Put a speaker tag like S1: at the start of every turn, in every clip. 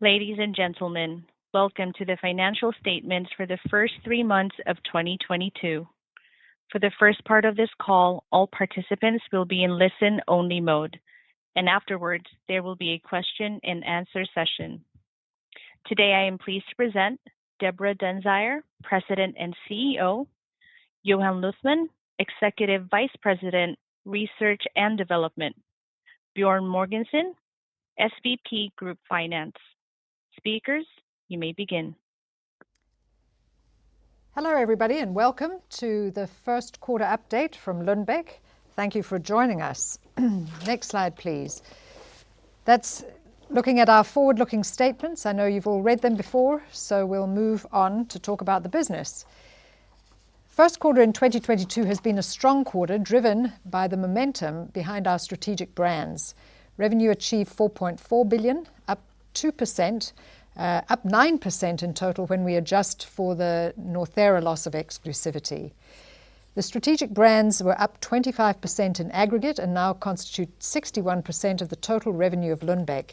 S1: Ladies and gentlemen, welcome to the financial statements for the first three months of 2022. For the first part of this call, all participants will be in listen-only mode, and afterwards, there will be a question and answer session. Today, I am pleased to present Deborah Dunsire, President and CEO, Johan Luthman, Executive Vice President, Research and Development, Bjørn Mogensen, SVP Group Finance. Speakers, you may begin.
S2: Hello, everybody, and welcome to the first quarter update from Lundbeck. Thank you for joining us. Next slide, please. That's looking at our forward-looking statements. I know you've all read them before, so we'll move on to talk about the business. First quarter in 2022 has been a strong quarter, driven by the momentum behind our strategic brands. Revenue achieved 4.4 billion, up 2%, up 9% in total when we adjust for the Northera loss of exclusivity. The strategic brands were up 25% in aggregate and now constitute 61% of the total revenue of Lundbeck.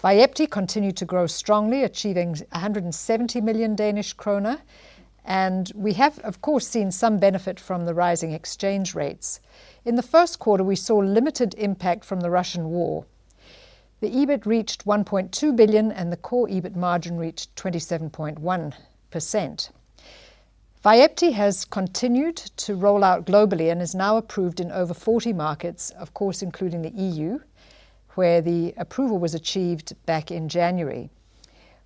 S2: Vyepti continued to grow strongly, achieving 170 million Danish kroner, and we have of course seen some benefit from the rising exchange rates. In the first quarter, we saw limited impact from the Russian war. The EBIT reached 1.2 billion, and the core EBIT margin reached 27.1%. Vyepti has continued to roll out globally and is now approved in over 40 markets, of course including the EU, where the approval was achieved back in January.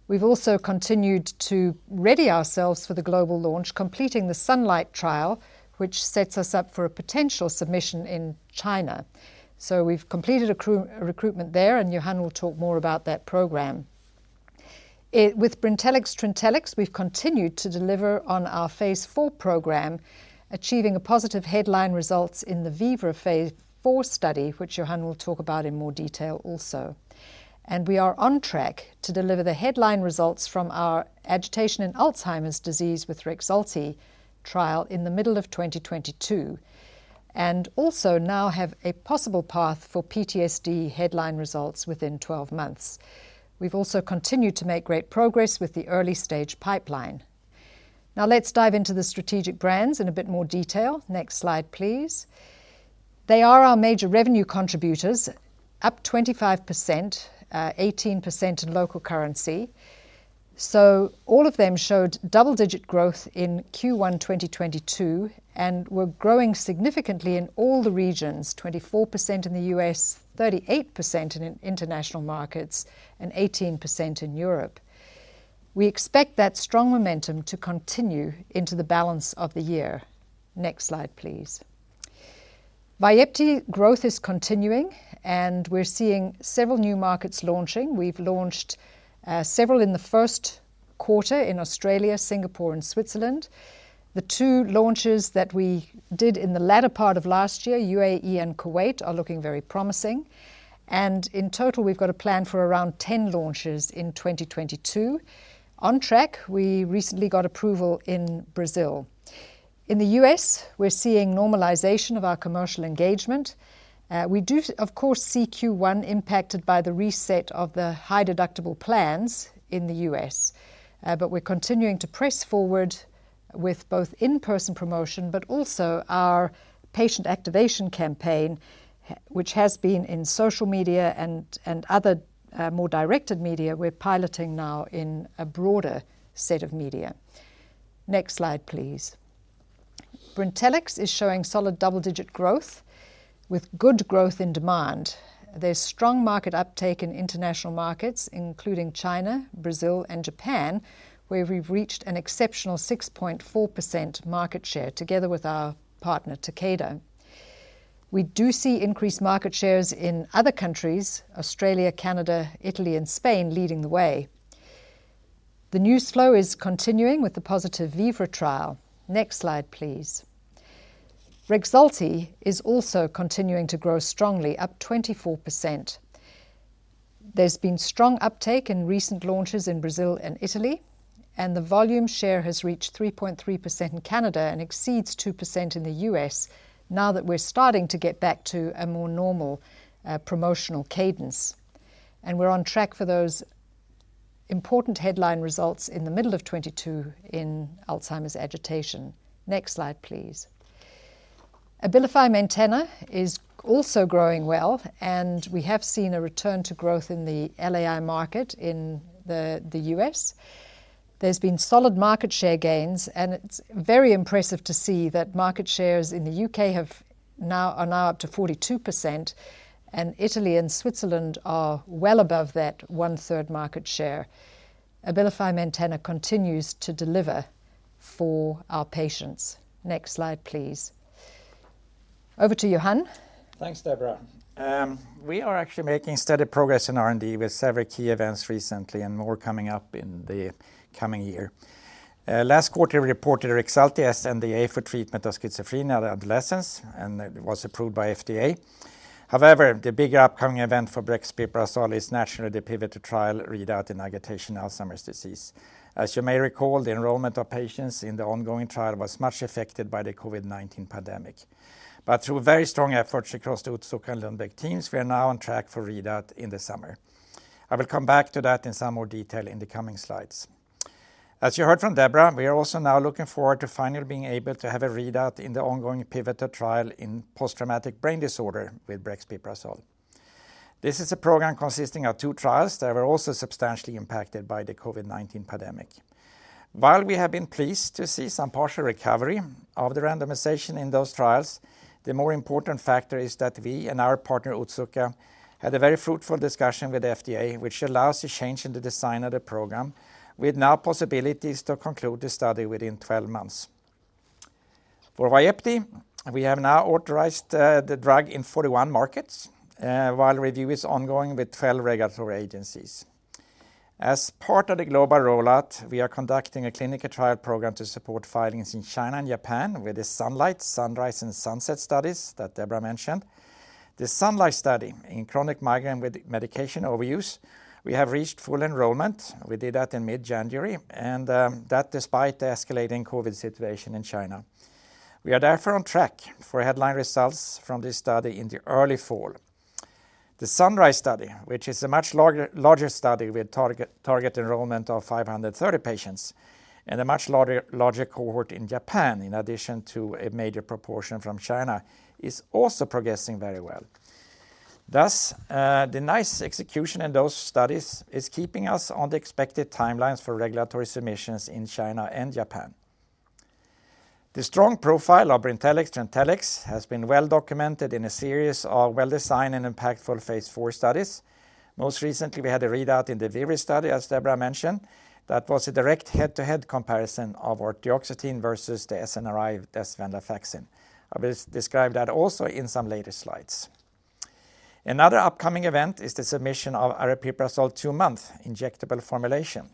S2: We've also continued to ready ourselves for the global launch, completing the Sunlight trial, which sets us up for a potential submission in China. We've completed accrual recruitment there, and Johan will talk more about that program. With Brintellix Trintellix, we've continued to deliver on our phase IV program, achieving positive topline results in the VIVRA phase IV study, which Johan will talk about in more detail also. We are on track to deliver the headline results from our agitation in Alzheimer's disease with Rexulti trial in the middle of 2022, and also now have a possible path for PTSD headline results within twelve months. We've also continued to make great progress with the early-stage pipeline. Now let's dive into the strategic brands in a bit more detail. Next slide, please. They are our major revenue contributors, up 25%, 18% in local currency. So all of them showed double-digit growth in Q1 2022 and were growing significantly in all the regions, 24% in the US, 38% in international markets, and 18% in Europe. We expect that strong momentum to continue into the balance of the year. Next slide, please. Vyepti growth is continuing, and we're seeing several new markets launching. We've launched several in the first quarter in Australia, Singapore, and Switzerland. The two launches that we did in the latter part of last year, UAE and Kuwait, are looking very promising. In total, we've got a plan for around 10 launches in 2022. On track, we recently got approval in Brazil. In the U.S., we're seeing normalization of our commercial engagement. We do of course see Q1 impacted by the reset of the high-deductible plans in the U.S. But we're continuing to press forward with both in-person promotion, but also our patient activation campaign which has been in social media and other more directed media we're piloting now in a broader set of media. Next slide, please. Brintellix is showing solid double-digit growth with good growth in demand. There's strong market uptake in international markets, including China, Brazil, and Japan, where we've reached an exceptional 6.4% market share together with our partner, Takeda. We do see increased market shares in other countries, Australia, Canada, Italy, and Spain leading the way. The news flow is continuing with the positive VIVRA trial. Next slide, please. Rexulti is also continuing to grow strongly, up 24%. There's been strong uptake in recent launches in Brazil and Italy, and the volume share has reached 3.3% in Canada and exceeds 2% in the U.S. now that we're starting to get back to a more normal, promotional cadence. We're on track for those important headline results in the middle of 2022 in Alzheimer's agitation. Next slide, please. Abilify Maintena is also growing well, and we have seen a return to growth in the LAI market in the US. There's been solid market share gains, and it's very impressive to see that market shares in the U.K. are now up to 42%, and Italy and Switzerland are well above that 1/3 market share. Abilify Maintena continues to deliver for our patients. Next slide, please. Over to Johan.
S3: Thanks, Deborah. We are actually making steady progress in R&D with several key events recently and more coming up in the coming year. Last quarter, we reported Rexulti as sNDA for treatment of schizophrenia in adolescents, and it was approved by FDA. However, the bigger upcoming event for Rexulti is naturally the pivotal trial readout in agitation Alzheimer's disease. As you may recall, the enrollment of patients in the ongoing trial was much affected by the COVID-19 pandemic. Through very strong efforts across the Otsuka and Lundbeck teams, we are now on track for readout in the summer. I will come back to that in some more detail in the coming slides. As you heard from Deborah, we are also now looking forward to finally being able to have a readout in the ongoing pivotal trial in post-traumatic stress disorder with brexpiprazole. This is a program consisting of two trials that were also substantially impacted by the COVID-19 pandemic. While we have been pleased to see some partial recovery of the randomization in those trials, the more important factor is that we and our partner, Otsuka, had a very fruitful discussion with FDA, which allows the change in the design of the program. We have now possibilities to conclude the study within 12 months. For Vyepti, we have now authorized the drug in 41 markets, while review is ongoing with 12 regulatory agencies. As part of the global rollout, we are conducting a clinical trial program to support filings in China and Japan with the SUNLIGHT, SUNRISE, and SUNSET studies that Deborah mentioned. The SUNLIGHT study in chronic migraine with medication overuse, we have reached full enrollment. We did that in mid-January, and that despite the escalating COVID situation in China. We are therefore on track for headline results from this study in the early fall. The SUNRISE study, which is a much larger study with target enrollment of 530 patients and a much larger cohort in Japan, in addition to a major proportion from China, is also progressing very well. Thus, the nice execution in those studies is keeping us on the expected timelines for regulatory submissions in China and Japan. The strong profile of Brintellix/Trintellix has been well documented in a series of well-designed and impactful phase IV studies. Most recently, we had a readout in the VIVRE study, as Deborah mentioned. That was a direct head-to-head comparison of vortioxetine versus the SNRI desvenlafaxine. I will describe that also in some later slides. Another upcoming event is the submission of aripiprazole two-month injectable formulation.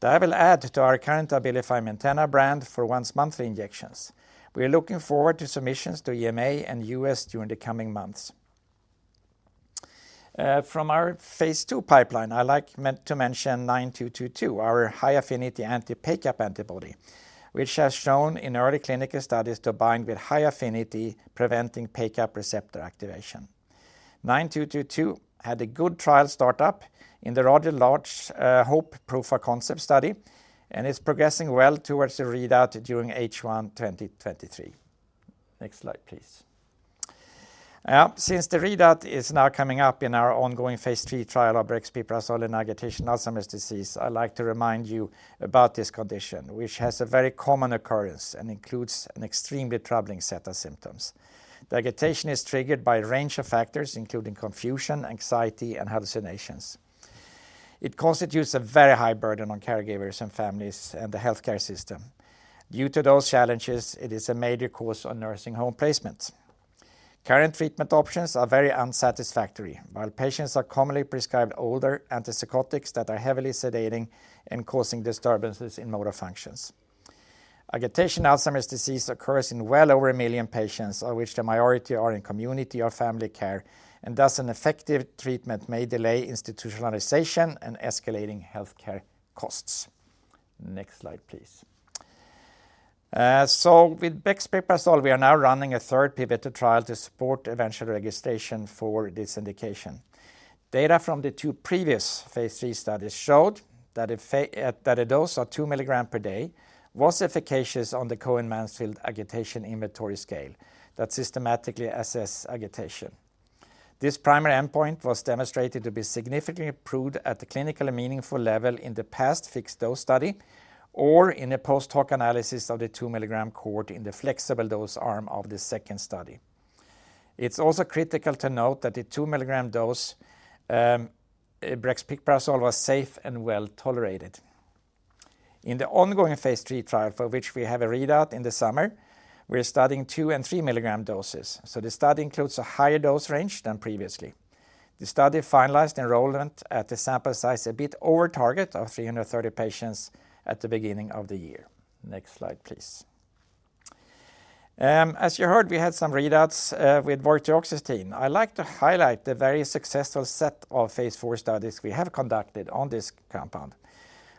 S3: That will add to our current Abilify Maintena brand for once-monthly injections. We are looking forward to submissions to EMA and U.S. during the coming months. From our phase II pipeline, I'd like to mention 09222, our high-affinity anti-PACAP antibody, which has shown in early clinical studies to bind with high affinity preventing PACAP receptor activation. 09222 had a good trial start-up in the rather large HOPE proof-of-concept study, and it's progressing well towards the readout during H1 2023. Next slide, please. Since the readout is now coming up in our ongoing phase III trial of brexpiprazole in agitation Alzheimer's disease, I like to remind you about this condition, which has a very common occurrence and includes an extremely troubling set of symptoms. The agitation is triggered by a range of factors, including confusion, anxiety, and hallucinations. It constitutes a very high burden on caregivers and families and the healthcare system. Due to those challenges, it is a major cause on nursing home placement. Current treatment options are very unsatisfactory, while patients are commonly prescribed older antipsychotics that are heavily sedating and causing disturbances in motor functions. Agitation Alzheimer's disease occurs in well over 1 million patients, of which the minority are in community or family care, and thus an effective treatment may delay institutionalization and escalating healthcare costs. Next slide, please. With brexpiprazole, we are now running a third pivotal trial to support eventual registration for this indication. Data from the two previous phase III studies showed that a dose of 2 milligram per day was efficacious on the Cohen-Mansfield Agitation Inventory Scale that systematically assess agitation. This primary endpoint was demonstrated to be significantly improved at the clinical and meaningful level in the past fixed dose study or in a post-hoc analysis of the 2\ mg cohort in the flexible dose arm of the second study. It's also critical to note that the 2-mg dose, brexpiprazole was safe and well-tolerated. In the ongoing phase III trial, for which we have a readout in the summer, we're studying 2 and 3 mg doses. The study includes a higher dose range than previously. The study finalized enrollment at the sample size a bit over target of 330 patients at the beginning of the year. Next slide, please. As you heard, we had some readouts with vortioxetine. I like to highlight the very successful set of phase IV studies we have conducted on this compound.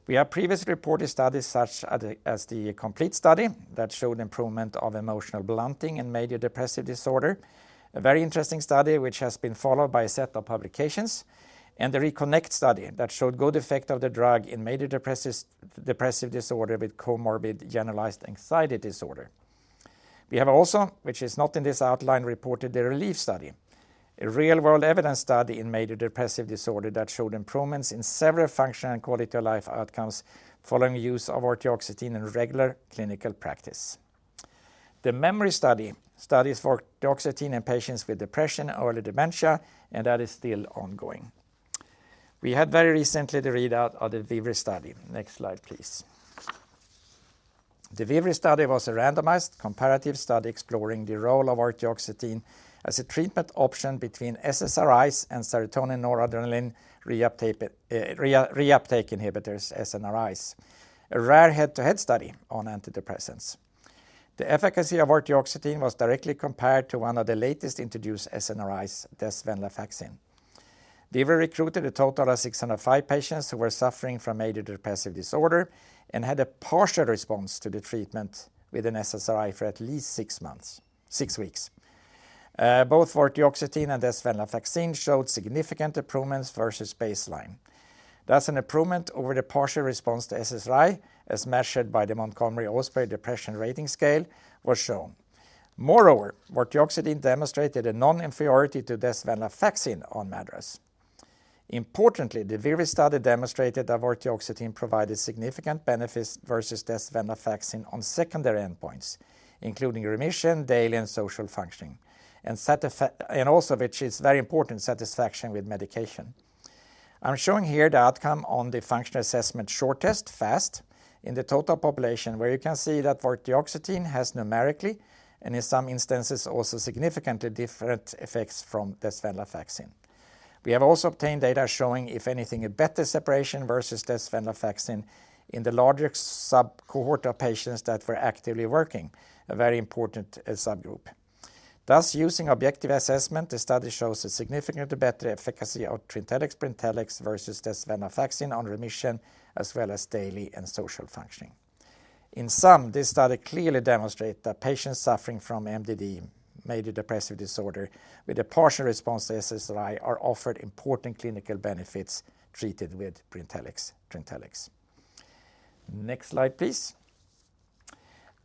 S3: We have previously reported studies such as the COMPLETE study that showed improvement of emotional blunting in major depressive disorder, a very interesting study which has been followed by a set of publications, and the RECONNECT study that showed good effect of the drug in major depressive disorder with comorbid generalized anxiety disorder. We have also, which is not in this outline, reported the RELIEVE study, a real-world evidence study in major depressive disorder that showed improvements in several functional and quality of life outcomes following use of vortioxetine in regular clinical practice. The MEMORY study studies vortioxetine in patients with depression, early dementia, and that is still ongoing. We had very recently the readout of the VIVRA study. Next slide, please. The VIVRA study was a randomized comparative study exploring the role of vortioxetine as a treatment option between SSRIs and serotonin-noradrenaline reuptake inhibitors, SNRIs, a rare head-to-head study on antidepressants. The efficacy of vortioxetine was directly compared to one of the latest introduced SNRIs, desvenlafaxine. VIVRE recruited a total of 605 patients who were suffering from major depressive disorder and had a partial response to the treatment with an SSRI for at least six weeks. Both vortioxetine and desvenlafaxine showed significant improvements versus baseline. Thus, an improvement over the partial response to SSRI, as measured by the Montgomery-Åsberg Depression Rating Scale, was shown. Moreover, vortioxetine demonstrated a non-inferiority to desvenlafaxine on MADRS. Importantly, the VIVRE study demonstrated that vortioxetine provided significant benefits versus desvenlafaxine on secondary endpoints, including remission, daily and social functioning, and also, which is very important, satisfaction with medication. I'm showing here the outcome on the Functional Assessment Short Test, FAST, in the total population, where you can see that vortioxetine has numerically, and in some instances also significantly, different effects from desvenlafaxine. We have also obtained data showing, if anything, a better separation versus desvenlafaxine in the larger subcohort of patients that were actively working, a very important subgroup. Thus, using objective assessment, the study shows a significantly better efficacy of Trintellix versus desvenlafaxine on remission, as well as daily and social functioning. In sum, this study clearly demonstrate that patients suffering from MDD, major depressive disorder, with a partial response to SSRI are offered important clinical benefits treated with Trintellix. Next slide, please.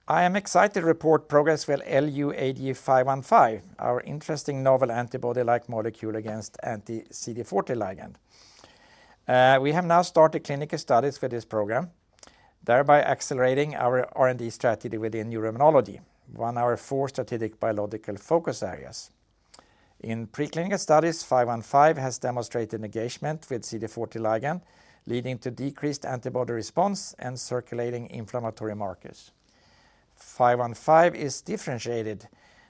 S3: I am excited to report progress with LU-89515, our interesting novel antibody-like molecule against CD40 ligand. We have now started clinical studies for this program, thereby accelerating our R&D strategy within neuroimmunology, one of our four strategic biological focus areas. In preclinical studies, five-one-five has demonstrated engagement with CD40 ligand, leading to decreased antibody response and circulating inflammatory markers. Lu AG22515 is differentiated,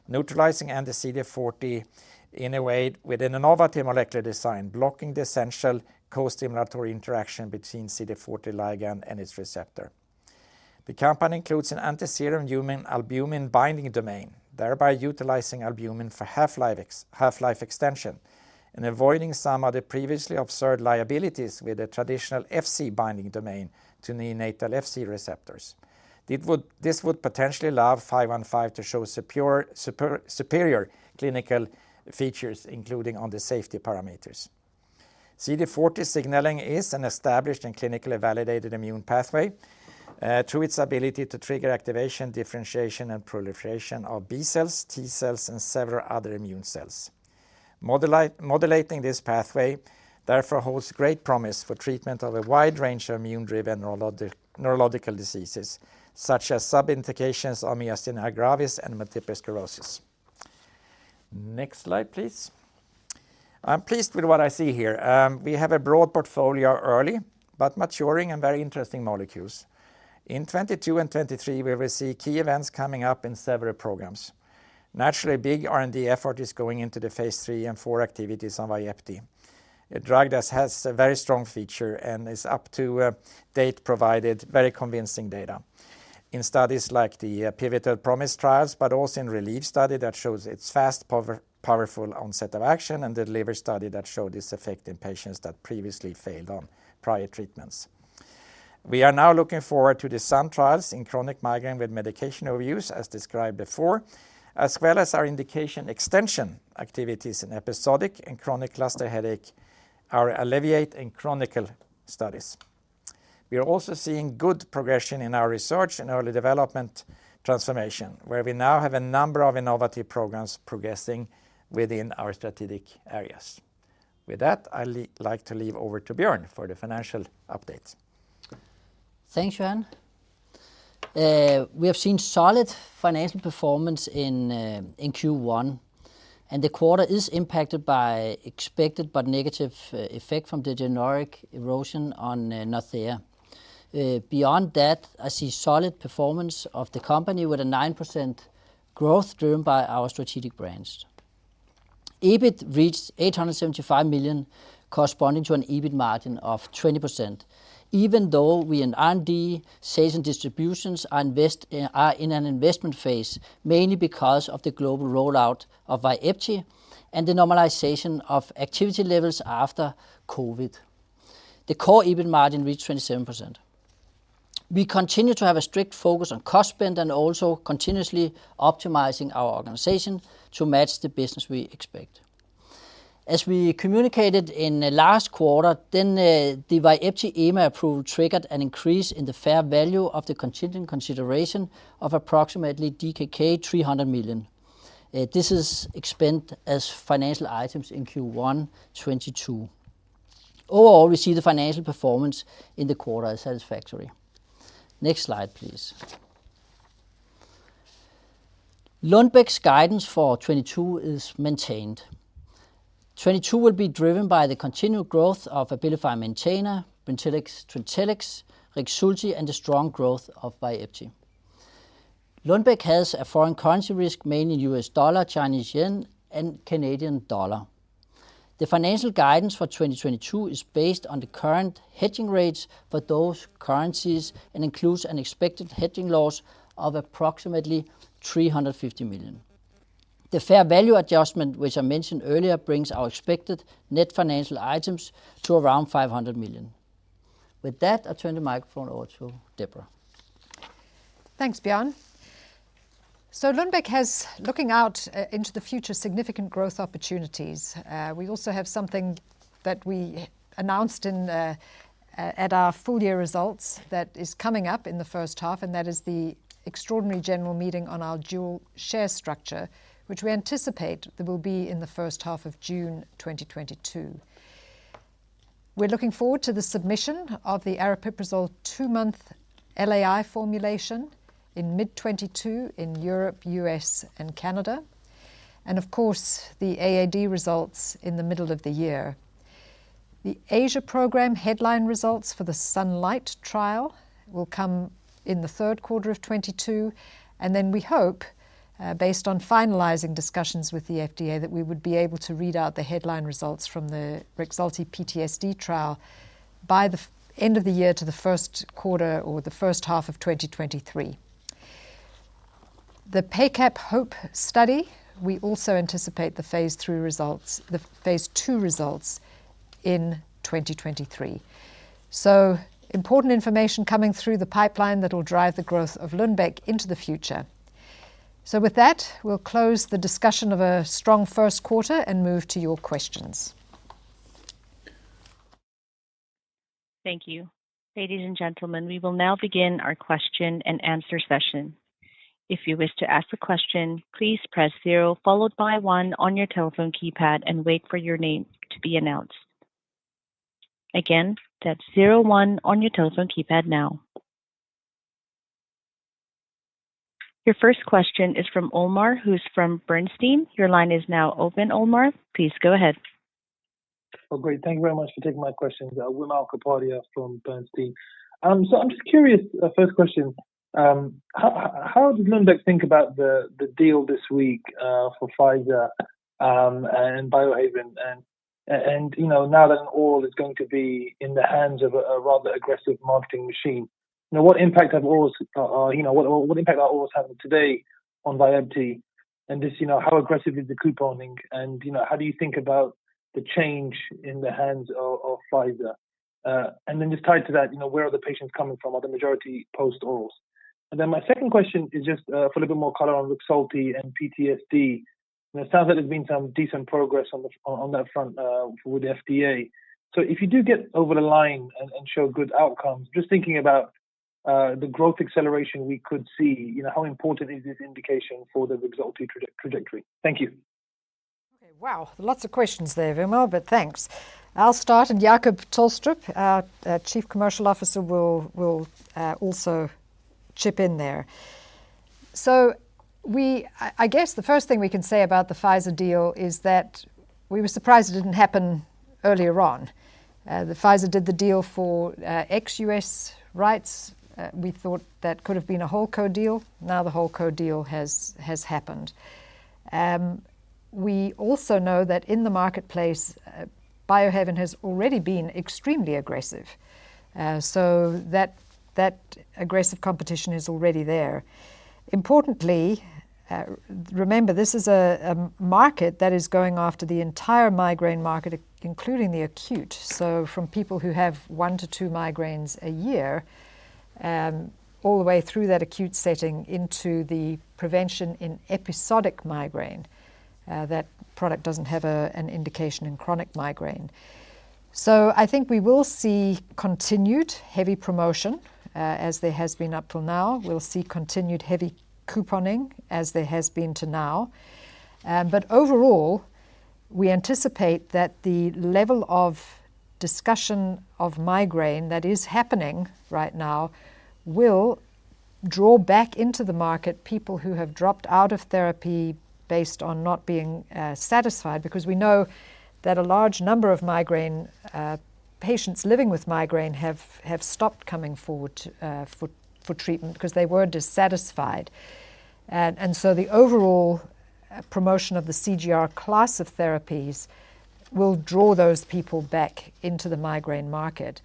S3: neutralizing anti-CD40L in a way with an innovative molecular design, blocking the essential co-stimulatory interaction between CD40 ligand and its receptor. The compound includes a serum human albumin binding domain, thereby utilizing albumin for half-life extension and avoiding some of the previously observed liabilities with a traditional Fc binding domain to neonatal Fc receptors. This would potentially allow Lu AG22515 to show superior clinical features, including on the safety parameters. CD40 signaling is an established and clinically validated immune pathway, through its ability to trigger activation, differentiation, and proliferation of B cells, T cells, and several other immune cells. Modulating this pathway therefore holds great promise for treatment of a wide range of immune-driven neurological diseases, such as indications of myasthenia gravis and multiple sclerosis. Next slide, please. I'm pleased with what I see here. We have a broad portfolio early, but maturing and very interesting molecules. In 2022 and 2023, we will see key events coming up in several programs. Naturally, big R&D effort is going into the phase III and IV activities on Vyepti, a drug that has a very strong feature and to date has provided very convincing data. In studies like the pivotal PROMISE trials, but also in RELIEVE study that shows its fast, powerful onset of action, and the DELIVER study that showed its effect in patients that previously failed on prior treatments. We are now looking forward to the SUNLIGHT trials in chronic migraine with medication overuse, as described before, as well as our indication extension activities in episodic and chronic cluster headache, our ALLEVIATE and CHRONICLE studies. We are also seeing good progression in our research and early development transformation, where we now have a number of innovative programs progressing within our strategic areas. With that, I'll like to hand over to Bjørn for the financial updates.
S4: Thanks, Johan. We have seen solid financial performance in Q1, and the quarter is impacted by expected but negative effect from the generic erosion on Northera. Beyond that, I see solid performance of the company with a 9% growth driven by our strategic brands. EBIT reached 875 million, corresponding to an EBIT margin of 20%. Even though we in R&D, sales and distributions are in an investment phase, mainly because of the global rollout of Vyepti and the normalization of activity levels after COVID. The core EBIT margin reached 27%. We continue to have a strict focus on cost spend and also continuously optimizing our organization to match the business we expect. As we communicated in the last quarter, the Vyepti EMA approval triggered an increase in the fair value of the contingent consideration of approximately DKK 300 million. This is expensed as financial items in Q1 2022. Overall, we see the financial performance in the quarter as satisfactory. Next slide, please. Lundbeck's guidance for 2022 is maintained. 2022 will be driven by the continued growth of Abilify Maintena, Brintellix, Trintellix, Rexulti, and the strong growth of Vyepti. Lundbeck has a foreign currency risk, mainly US dollar, Chinese yuan, and Canadian dollar. The financial guidance for 2022 is based on the current hedging rates for those currencies and includes an expected hedging loss of approximately 350 million. The fair value adjustment, which I mentioned earlier, brings our expected net financial items to around 500 million. With that, I turn the microphone over to Deborah.
S2: Thanks, Bjørn. Lundbeck has, looking out into the future, significant growth opportunities. We also have something that we announced in at our full year results that is coming up in the first half, and that is the extraordinary general meeting on our dual share structure, which we anticipate that will be in the first half of June 2022. We're looking forward to the submission of the aripiprazole two-month LAI formulation in mid-2022 in Europe, U.S., and Canada, and of course, the AAD results in the middle of the year. The Asia program headline results for the SUNLIGHT trial will come in the third quarter of 2022, and then we hope, based on finalizing discussions with the FDA, that we would be able to read out the headline results from the Rexulti PTSD trial by the end of the year to the first quarter or the first half of 2023. The HOPE study, we also anticipate the phase two results in 2023. Important information coming through the pipeline that will drive the growth of Lundbeck into the future. With that, we'll close the discussion of a strong first quarter and move to your questions.
S1: Thank you. Ladies and gentlemen, we will now begin our question and answer session. If you wish to ask a question, please press zero followed by one on your telephone keypad and wait for your name to be announced. Again, that's zero one on your telephone keypad now. Your first question is from Wimal Kapadia, who's from Bernstein. Your line is now open, Wimal Kapadia. Please go ahead.
S5: Oh, great. Thank you very much for taking my questions. Wimal Kapadia from Bernstein. So I'm just curious, first question, how did Lundbeck think about the deal this week for Pfizer and Biohaven? And you know, now that all is going to be in the hands of a rather aggressive marketing machine. Now, what impact are orals having today on Vyepti? And just, you know, how aggressive is the couponing? And, you know, how do you think about the change in the hands of Pfizer? And then just tied to that, you know, where are the patients coming from? Are the majority post orals? And then my second question is just for a little bit more color on Rexulti and PTSD. It sounds like there's been some decent progress on that front with the FDA. If you do get over the line and show good outcomes, just thinking about the growth acceleration we could see, you know, how important is this indication for the Rexulti trajectory? Thank you.
S2: Okay. Wow. Lots of questions there, Vimal, but thanks. I'll start, and Jacob Tolstrup, our Chief Commercial Officer, will also chip in there. I guess the first thing we can say about the Pfizer deal is that we were surprised it didn't happen earlier on. The Pfizer did the deal for ex-US rights. We thought that could have been a whole co-deal. Now the whole co-deal has happened. We also know that in the marketplace, Biohaven has already been extremely aggressive. That aggressive competition is already there. Importantly, remember this is a market that is going after the entire migraine market, including the acute. From people who have one to two migraines a year, all the way through that acute setting into the prevention in episodic migraine. That product doesn't have an indication in chronic migraine. I think we will see continued heavy promotion as there has been up till now. We'll see continued heavy couponing as there has been till now. But overall, we anticipate that the level of discussion of migraine that is happening right now will draw back into the market people who have dropped out of therapy based on not being satisfied because we know that a large number of migraine patients living with migraine have stopped coming forward for treatment because they were dissatisfied. So the overall promotion of the CGRP class of therapies will draw those people back into the migraine market.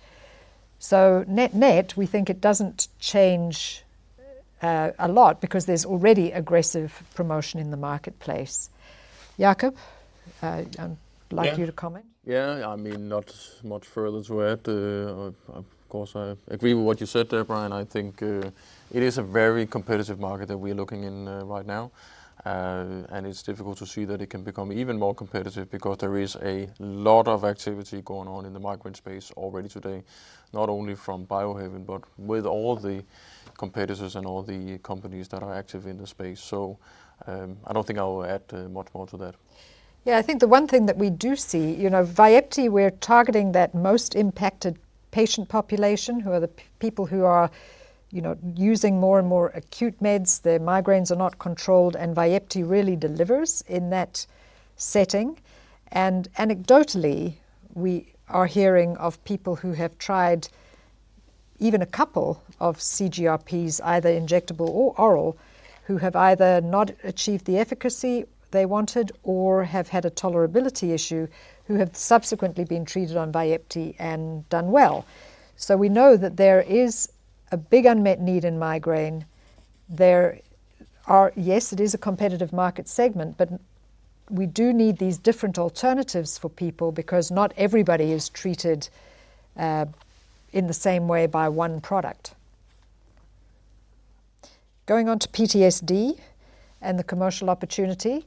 S2: Net-net, we think it doesn't change a lot because there's already aggressive promotion in the marketplace. Jacob,
S6: Yeah.
S2: Like you to comment.
S6: Yeah. I mean, not much further to add. Of course, I agree with what you said there, Deborah. I think it is a very competitive market that we're looking in right now. It's difficult to see that it can become even more competitive because there is a lot of activity going on in the migraine space already today, not only from Biohaven, but with all the competitors and all the companies that are active in the space. I don't think I will add much more to that.
S2: Yeah. I think the one thing that we do see, you know, Vyepti, we're targeting that most impacted patient population, who are the people who are, you know, using more and more acute meds, their migraines are not controlled, and Vyepti really delivers in that setting. Anecdotally, we are hearing of people who have tried even a couple of CGRPs, either injectable or oral, who have either not achieved the efficacy they wanted or have had a tolerability issue, who have subsequently been treated on Vyepti and done well. We know that there is a big unmet need in migraine. There are. Yes, it is a competitive market segment, but we do need these different alternatives for people because not everybody is treated in the same way by one product. Going on to PTSD and the commercial opportunity.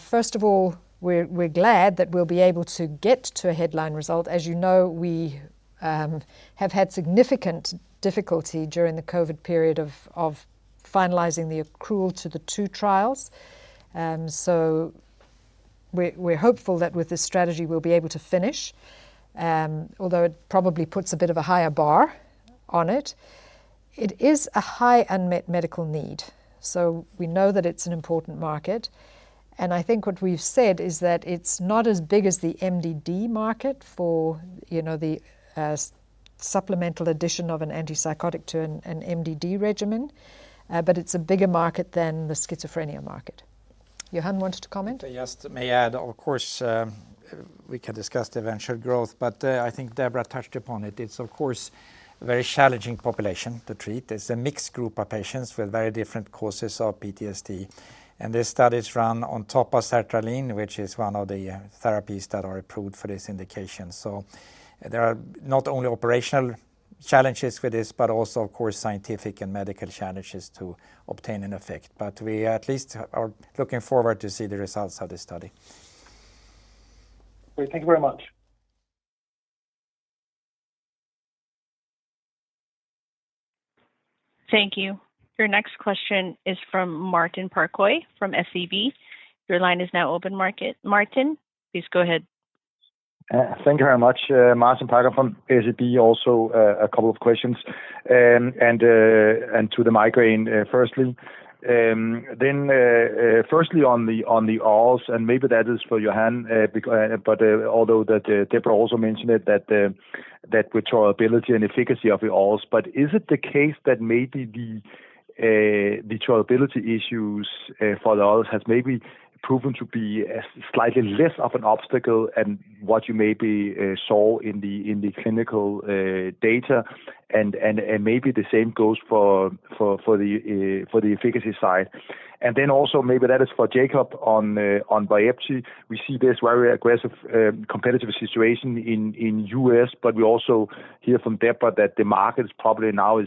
S2: First of all, we're glad that we'll be able to get to a headline result. As you know, we have had significant difficulty during the COVID period of finalizing the accrual to the two trials. We're hopeful that with this strategy we'll be able to finish, although it probably puts a bit of a higher bar on it. It is a high unmet medical need, so we know that it's an important market, and I think what we've said is that it's not as big as the MDD market for, you know, the supplemental addition of an antipsychotic to an MDD regimen, but it's a bigger market than the schizophrenia market. Johan wanted to comment?
S3: I just may add, of course, we can discuss the eventual growth, but I think Deborah touched upon it. It's of course a very challenging population to treat. It's a mixed group of patients with very different causes of PTSD, and this study is run on top of sertraline, which is one of the therapies that are approved for this indication. So there are not only operational challenges with this, but also of course scientific and medical challenges to obtain an effect. We at least are looking forward to see the results of this study.
S7: Great. Thank you very much.
S1: Thank you. Your next question is from Martin Parkhøi from SEB. Your line is now open, Martin. Martin, please go ahead.
S8: Thank you very much. Martin Parkhøi from SEB. A couple of questions. First to the migraine. First on the orals, and maybe that is for Johan, but although Deborah also mentioned it that tolerability and efficacy of the orals. Is it the case that maybe the tolerability issues for the orals has maybe proven to be slightly less of an obstacle than what you maybe saw in the clinical data and maybe the same goes for the efficacy side? Then also maybe that is for Jacob on Vyepti. We see this very aggressive competitive situation in U.S., but we also hear from Deborah that the market is probably now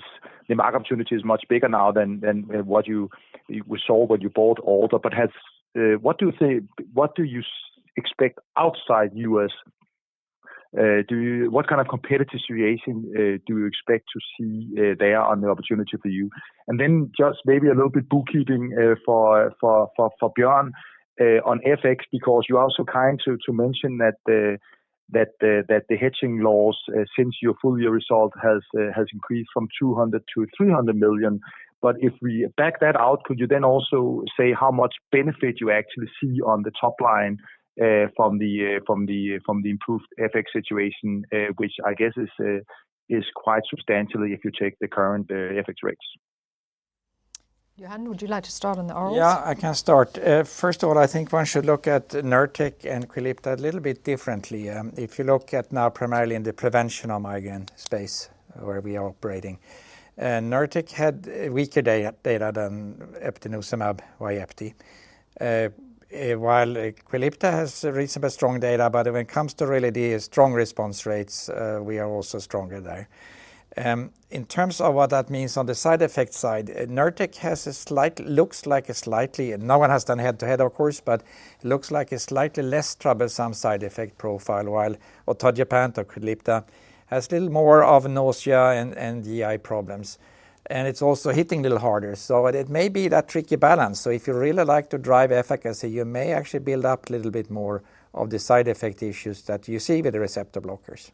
S8: the market opportunity is much bigger now than what we saw when you bought Alder. What do you expect outside U.S.? What kind of competitive situation do you expect to see there on the opportunity for you? Then just maybe a little bit bookkeeping for Bjørn on FX, because you are so kind to mention that the hedging loss since your full-year result has increased from 200 million-300 million. If we back that out, could you then also say how much benefit you actually see on the top line, from the improved FX situation, which I guess is quite substantially if you take the current FX rates?
S2: Johan, would you like to start on the orals?
S3: Yeah, I can start. First of all, I think one should look at Nurtec and QULIPTA a little bit differently. If you look at now primarily in the prevention of migraine space where we are operating, Nurtec had weaker data than eptinezumab or Vyepti. While QULIPTA has reasonably strong data, but when it comes to really the strong response rates, we are also stronger there. In terms of what that means on the side effect side, Neratic looks like a slightly less troublesome side effect profile, and no one has done head-to-head of course, but looks like a slightly less troublesome side effect profile. While atogepant or QULIPTA has a little more of nausea and GI problems, and it's also hitting a little harder. It may be that tricky balance. If you really like to drive efficacy, you may actually build up a little bit more of the side effect issues that you see with the receptor blockers.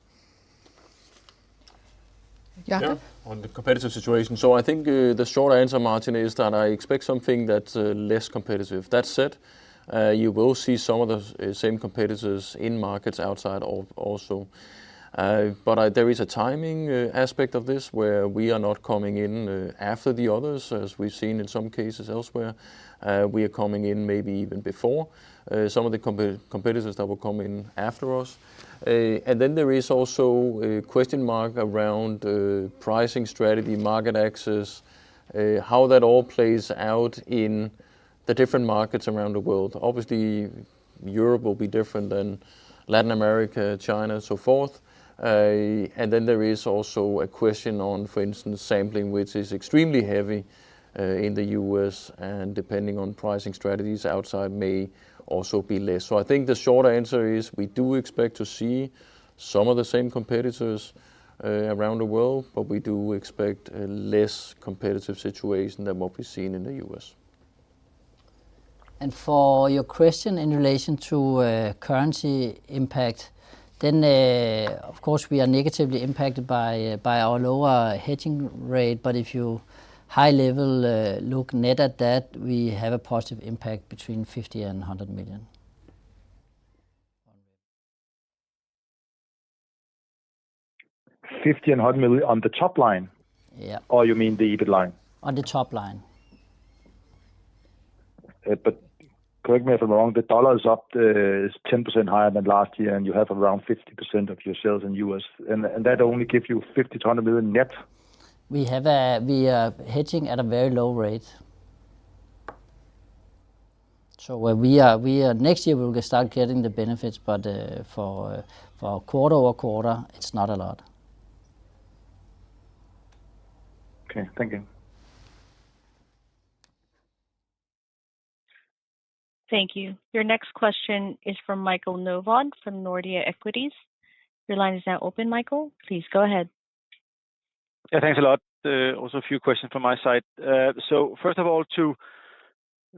S2: Jakob?
S6: On the competitive situation. I think the short answer, Martin, is that I expect something that's less competitive. That said, you will see some of the same competitors in markets outside, also. There is a timing aspect of this where we are not coming in after the others, as we've seen in some cases elsewhere. We are coming in maybe even before some of the competitors that will come in after us. There is also a question mark around pricing strategy, market access, how that all plays out in the different markets around the world. Obviously, Europe will be different than Latin America, China and so forth. There is also a question on, for instance, sampling, which is extremely heavy in the US and depending on pricing strategies outside may also be less. I think the short answer is we do expect to see some of the same competitors around the world, but we do expect a less competitive situation than what we've seen in the US.
S4: For your question in relation to currency impact, then, of course we are negatively impacted by our lower hedging rate. If you high level look net at that, we have a positive impact between 50 million and 100 million.
S8: DKK 50 million and 100 million on the top line?
S4: Yeah.
S8: You mean the EBIT line?
S4: On the top line.
S8: Correct me if I'm wrong, the US dollar is up 10% higher than last year, and you have around 50% of your sales in U.S., and that only give you 50-100 million net.
S4: We are hedging at a very low rate. Where we are, next year we will start getting the benefits, but for quarter-over-quarter, it's not a lot.
S8: Okay. Thank you.
S1: Thank you. Your next question is from Michael Novod from Nordea Equities. Your line is now open, Michael. Please go ahead.
S9: Yeah, thanks a lot. Also a few questions from my side. First of all, to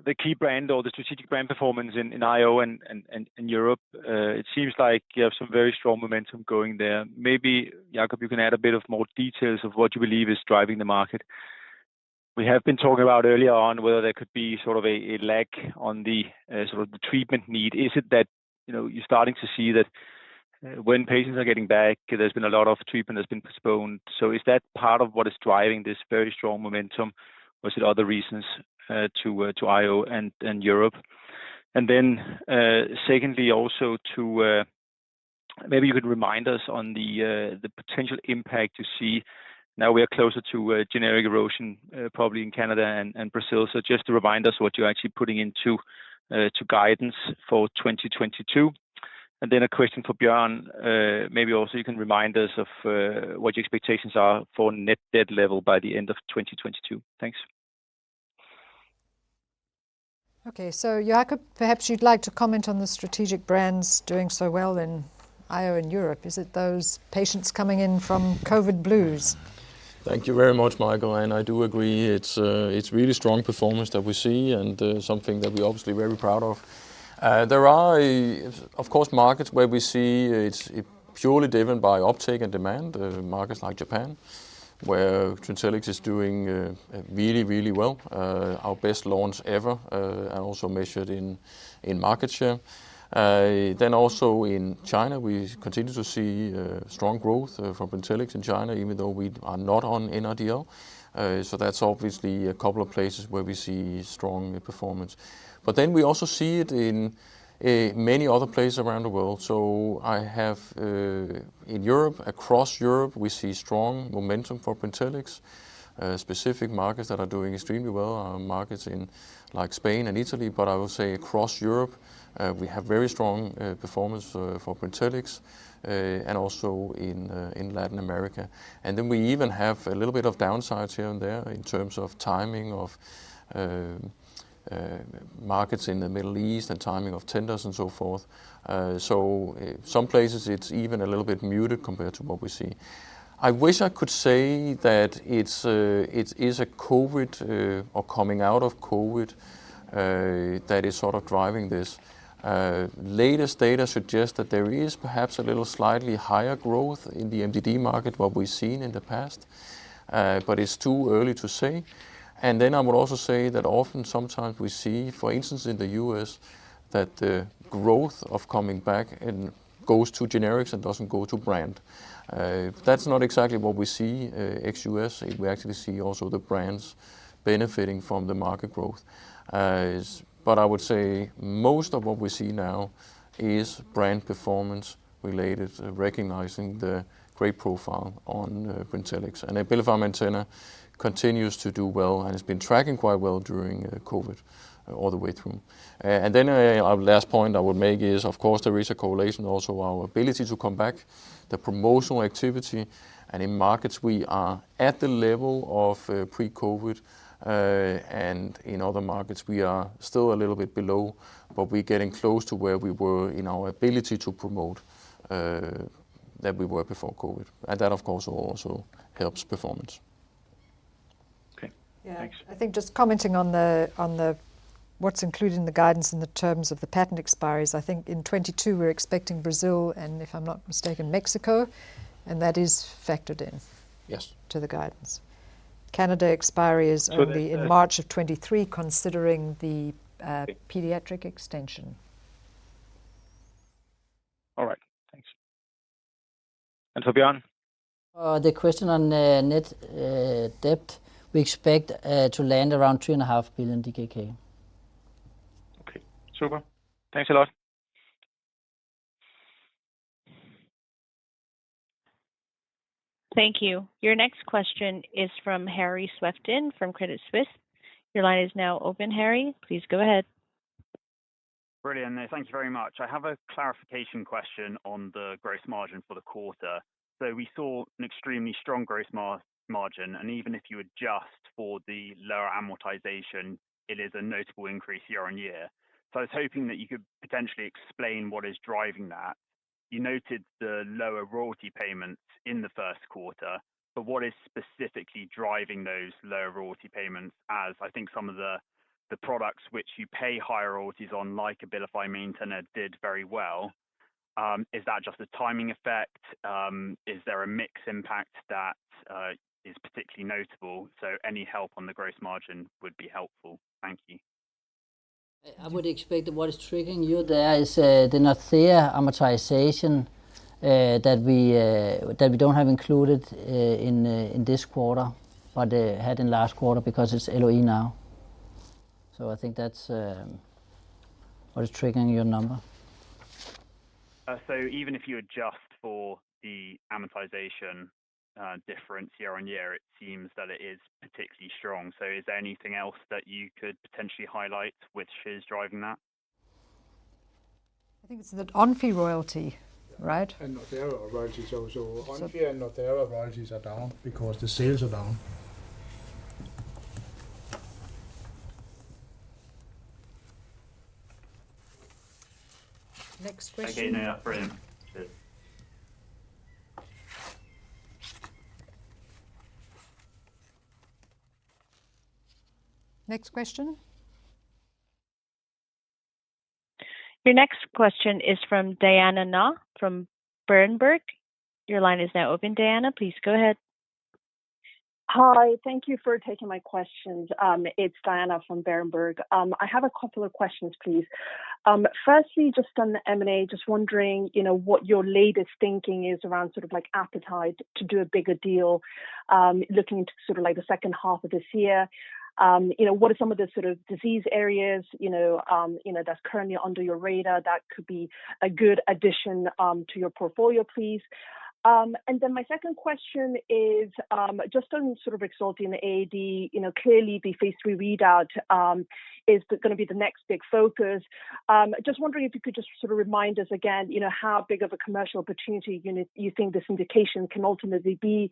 S9: the key brand or the strategic brand performance in IO and in Europe, it seems like you have some very strong momentum going there. Maybe, Jacob, you can add a bit of more details of what you believe is driving the market. We have been talking about earlier on whether there could be sort of a lack on the sort of the treatment need. Is it that, you know, you're starting to see that when patients are getting back, there's been a lot of treatment that's been postponed. Is that part of what is driving this very strong momentum, or is it other reasons to IO and Europe? Secondly, also to, maybe you could remind us on the potential impact you see now we are closer to, generic erosion, probably in Canada and Brazil. Just to remind us what you're actually putting into the guidance for 2022. A question for Bjørn. Maybe also you can remind us of, what your expectations are for net debt level by the end of 2022. Thanks. Okay. Jacob, perhaps you'd like to comment on the strategic brands doing so well in IO and Europe. Is it those patients coming in from COVID blues?
S6: Thank you very much, Michael. I do agree it's really strong performance that we see and something that we're obviously very proud of. There are, of course, markets where we see it's purely driven by uptake and demand. Markets like Japan, where Brintellix is doing really, really well. Our best launch ever and also measured in market share. Also in China, we continue to see strong growth for Brintellix in China, even though we are not on NRDL. That's obviously a couple of places where we see strong performance. We also see it in many other places around the world. I have in Europe, across Europe, we see strong momentum for Brintellix. Specific markets that are doing extremely well are markets like Spain and Italy. I will say across Europe, we have very strong performance for Brintellix, and also in Latin America. We even have a little bit of downsides here and there in terms of timing of markets in the Middle East and timing of tenders and so forth. So some places it's even a little bit muted compared to what we see. I wish I could say that it is a COVID or coming out of COVID that is sort of driving this. Latest data suggests that there is perhaps a little slightly higher growth in the MDD market, what we've seen in the past, but it's too early to say. I would also say that often sometimes we see, for instance, in the U.S., that the growth of coming back and goes to generics and doesn't go to brand. That's not exactly what we see ex-U.S. We actually see also the brands benefiting from the market growth. I would say most of what we see now is brand performance related, recognizing the great profile on Brintellix. Abilify Maintena continues to do well, and it's been tracking quite well during COVID all the way through. Last point I would make is, of course, there is a correlation also our ability to come back, the promotional activity. In markets we are at the level of pre-COVID, and in other markets we are still a little bit below, but we're getting close to where we were in our ability to promote than we were before COVID. That of course will also help performance.
S9: Okay. Thanks.
S2: Yeah. I think just commenting on the what's included in the guidance in terms of the patent expiries. I think in 2022 we're expecting Brazil and, if I'm not mistaken, Mexico, and that is factored in.
S6: Yes...
S2: to the guidance. Canada expiry is only in March of 2023, considering the pediatric extension.
S9: All right. Thanks. For Bjørn?
S4: The question on net debt, we expect to land around 3.5 billion DKK.
S9: Okay. Super. Thanks a lot.
S1: Thank you. Your next question is from Harry Swifton from Credit Suisse. Your line is now open, Harry. Please go ahead.
S10: Brilliant. Thank you very much. I have a clarification question on the gross margin for the quarter. We saw an extremely strong gross margin, and even if you adjust for the lower amortization, it is a notable increase year-over-year. I was hoping that you could potentially explain what is driving that. You noted the lower royalty payments in the first quarter, but what is specifically driving those lower royalty payments as I think some of the products which you pay higher royalties on, like Abilify Maintena, did very well. Is that just a timing effect? Is there a mix impact that is particularly notable? Any help on the gross margin would be helpful. Thank you.
S4: I would expect that what is triggering you there is the Nordea amortization that we don't have included in this quarter, but had in last quarter because it's LOE now. I think that's what is triggering your number.
S11: Even if you adjust for the amortization, difference year-over-year, it seems that it is particularly strong. Is there anything else that you could potentially highlight which is driving that?
S2: I think it's the Onfi royalty, right?
S6: Northera royalties also.
S2: So-
S6: Onfi and Northera royalties are down because the sales are down.
S2: Next question.
S11: Okay. Yeah. Brilliant. Good.
S2: Next question.
S1: Your next question is from Diana Gnau from Berenberg. Your line is now open, Diana. Please go ahead.
S12: Hi. Thank you for taking my questions. It's Diana Gnau from Berenberg. I have a couple of questions, please. Firstly, just on the M&A, just wondering, you know, what your latest thinking is around sort of like appetite to do a bigger deal, looking into sort of like the second half of this year. You know, what are some of the sort of disease areas, you know, you know, that's currently under your radar that could be a good addition, to your portfolio, please? And then my second question is, just on sort of Rexulti and the AAD. You know, clearly the phase III readout, is gonna be the next big focus. Just wondering if you could just sort of remind us again, you know, how big of a commercial opportunity you think this indication can ultimately be.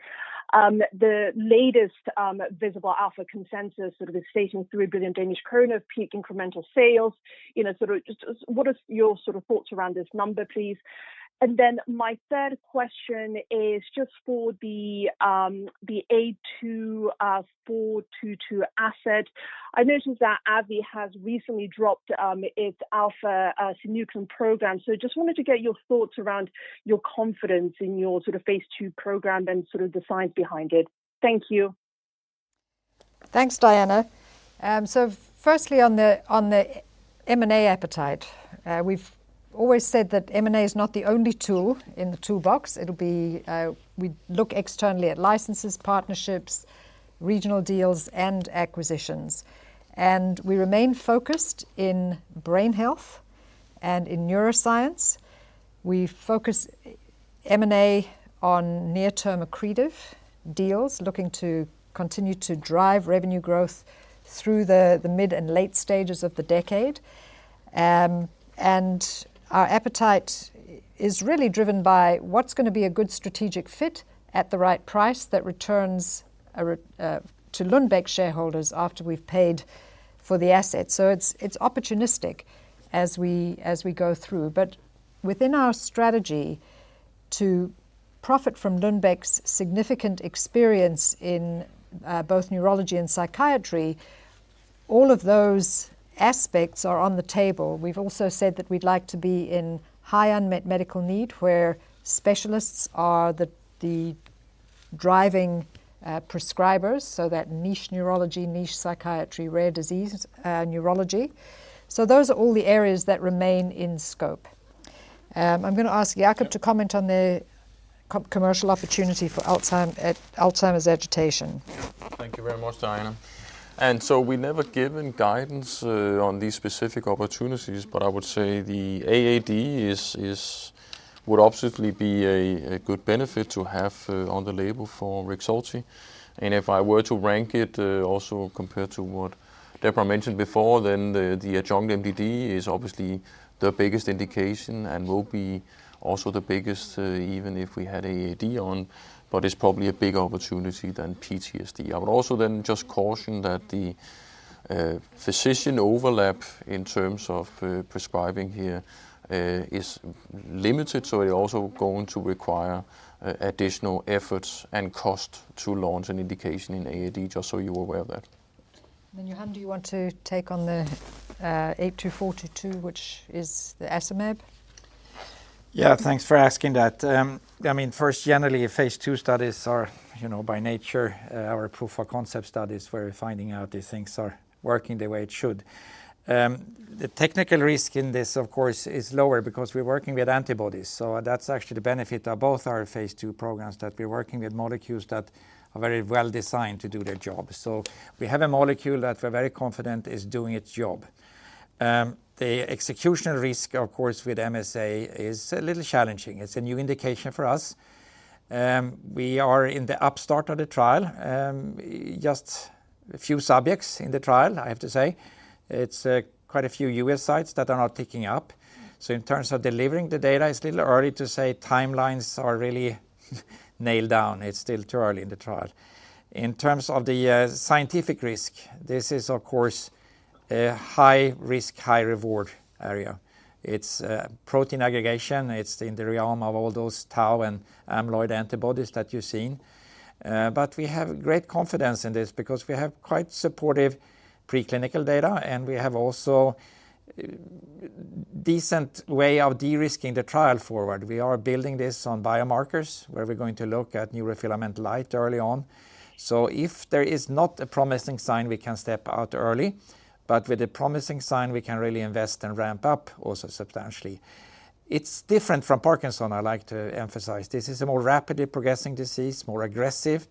S12: The latest visible alpha consensus sort of is stating 3 billion Danish krone of peak incremental sales. You know, sort of just what is your sort of thoughts around this number, please? Then my third question is just for the Lu AF82422 asset. I noticed that AbbVie has recently dropped its alpha-synuclein program. Just wanted to get your thoughts around your confidence in your sort of phase 2 program and sort of the science behind it. Thank you.
S2: Thanks, Diana. Firstly on the M&A appetite, we've always said that M&A is not the only tool in the toolbox. We look externally at licenses, partnerships, regional deals, and acquisitions. We remain focused in brain health and in neuroscience. We focus M&A on near-term accretive deals, looking to continue to drive revenue growth through the mid and late stages of the decade. Our appetite is really driven by what's gonna be a good strategic fit at the right price that returns to Lundbeck shareholders after we've paid for the asset. It's opportunistic as we go through. Within our strategy to profit from Lundbeck's significant experience in both neurology and psychiatry, all of those aspects are on the table. We've also said that we'd like to be in high unmet medical need, where specialists are the driving prescribers, so that niche neurology, niche psychiatry, rare disease, neurology. Those are all the areas that remain in scope. I'm gonna ask Jacob to comment on the co-commercial opportunity for Alzheimer's agitation.
S6: Thank you very much, Diana. We've never given guidance on these specific opportunities, but I would say the AAD would obviously be a good benefit to have on the label for Rexulti. If I were to rank it, also compared to what Deborah mentioned before, then the adjunct MDD is obviously the biggest indication and will be also the biggest, even if we had AAD on, but it's probably a bigger opportunity than PTSD. I would just caution that the physician overlap in terms of prescribing here is limited, so it also going to require additional efforts and cost to launch an indication in AAD, just so you're aware of that.
S2: Johan, do you want to take on the 82422, which is the amlenetug?
S3: Yeah. Thanks for asking that. I mean, first, generally phase two studies are, you know, by nature are proof of concept studies where we're finding out if things are working the way it should. The technical risk in this of course is lower because we're working with antibodies, so that's actually the benefit of both our phase two programs, that we're working with molecules that are very well designed to do their job. So we have a molecule that we're very confident is doing its job. The execution risk of course with MSA is a little challenging. It's a new indication for us. We are in the startup of the trial, just a few subjects in the trial, I have to say. It's quite a few U.S. sites that are now ticking up. In terms of delivering the data, it's a little early to say timelines are really nailed down. It's still too early in the trial. In terms of the scientific risk, this is of course a high risk, high reward area. It's protein aggregation. It's in the realm of all those tau and amyloid antibodies that you've seen. But we have great confidence in this because we have quite supportive preclinical data, and we have also decent way of de-risking the trial forward. We are building this on biomarkers, where we're going to look at neurofilament light early on. So if there is not a promising sign, we can step out early, but with a promising sign, we can really invest and ramp up also substantially. It's different from Parkinson, I like to emphasize. This is a more rapidly progressing disease, more aggressive.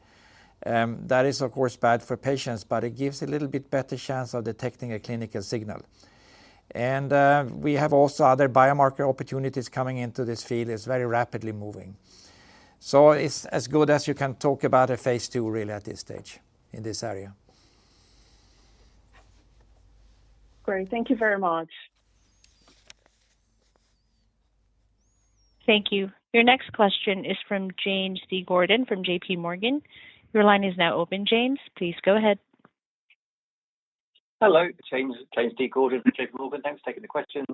S3: That is of course bad for patients, but it gives a little bit better chance of detecting a clinical signal. We have also other biomarker opportunities coming into this field. It's very rapidly moving. It's as good as you can talk about a phase 2 really at this stage in this area.
S1: Great. Thank you very much. Thank you. Your next question is from James D. Gordon from JPMorgan. Your line is now open, James. Please go ahead.
S13: James D. Gordon from JP Morgan. Thanks for taking the questions.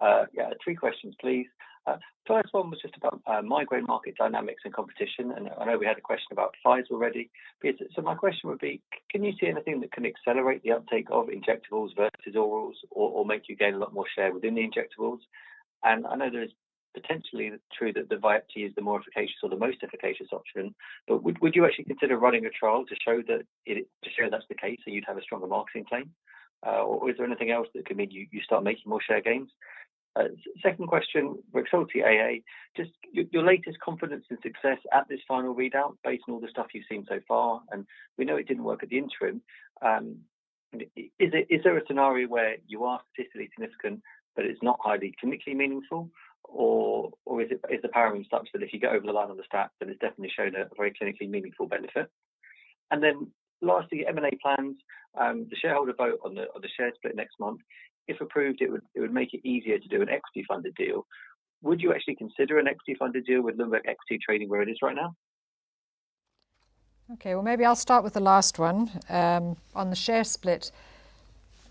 S13: Yeah, three questions, please. First one was just about migraine market dynamics and competition, and I know we had a question about slides already. My question would be can you see anything that can accelerate the uptake of injectables versus orals or make you gain a lot more share within the injectables? And I know that it's potentially true that the Vyepti is the more efficacious or the most efficacious option, but would you actually consider running a trial to show that's the case, so you'd have a stronger marketing claim? Or is there anything else that can mean you start making more share gains? Second question, Rexulti AA, just your latest confidence and success at this final readout based on all the stuff you've seen so far, and we know it didn't work at the interim. Is there a scenario where you are statistically significant but it's not highly clinically meaningful or is the power in such that if you go over the line on the stat that it's definitely shown a very clinically meaningful benefit? Lastly, M&A plans, the shareholder vote on the share split next month, if approved, it would make it easier to do an equity-funded deal. Would you actually consider an equity-funded deal with Lundbeck equity trading where it is right now?
S2: Okay, well, maybe I'll start with the last one. On the share split,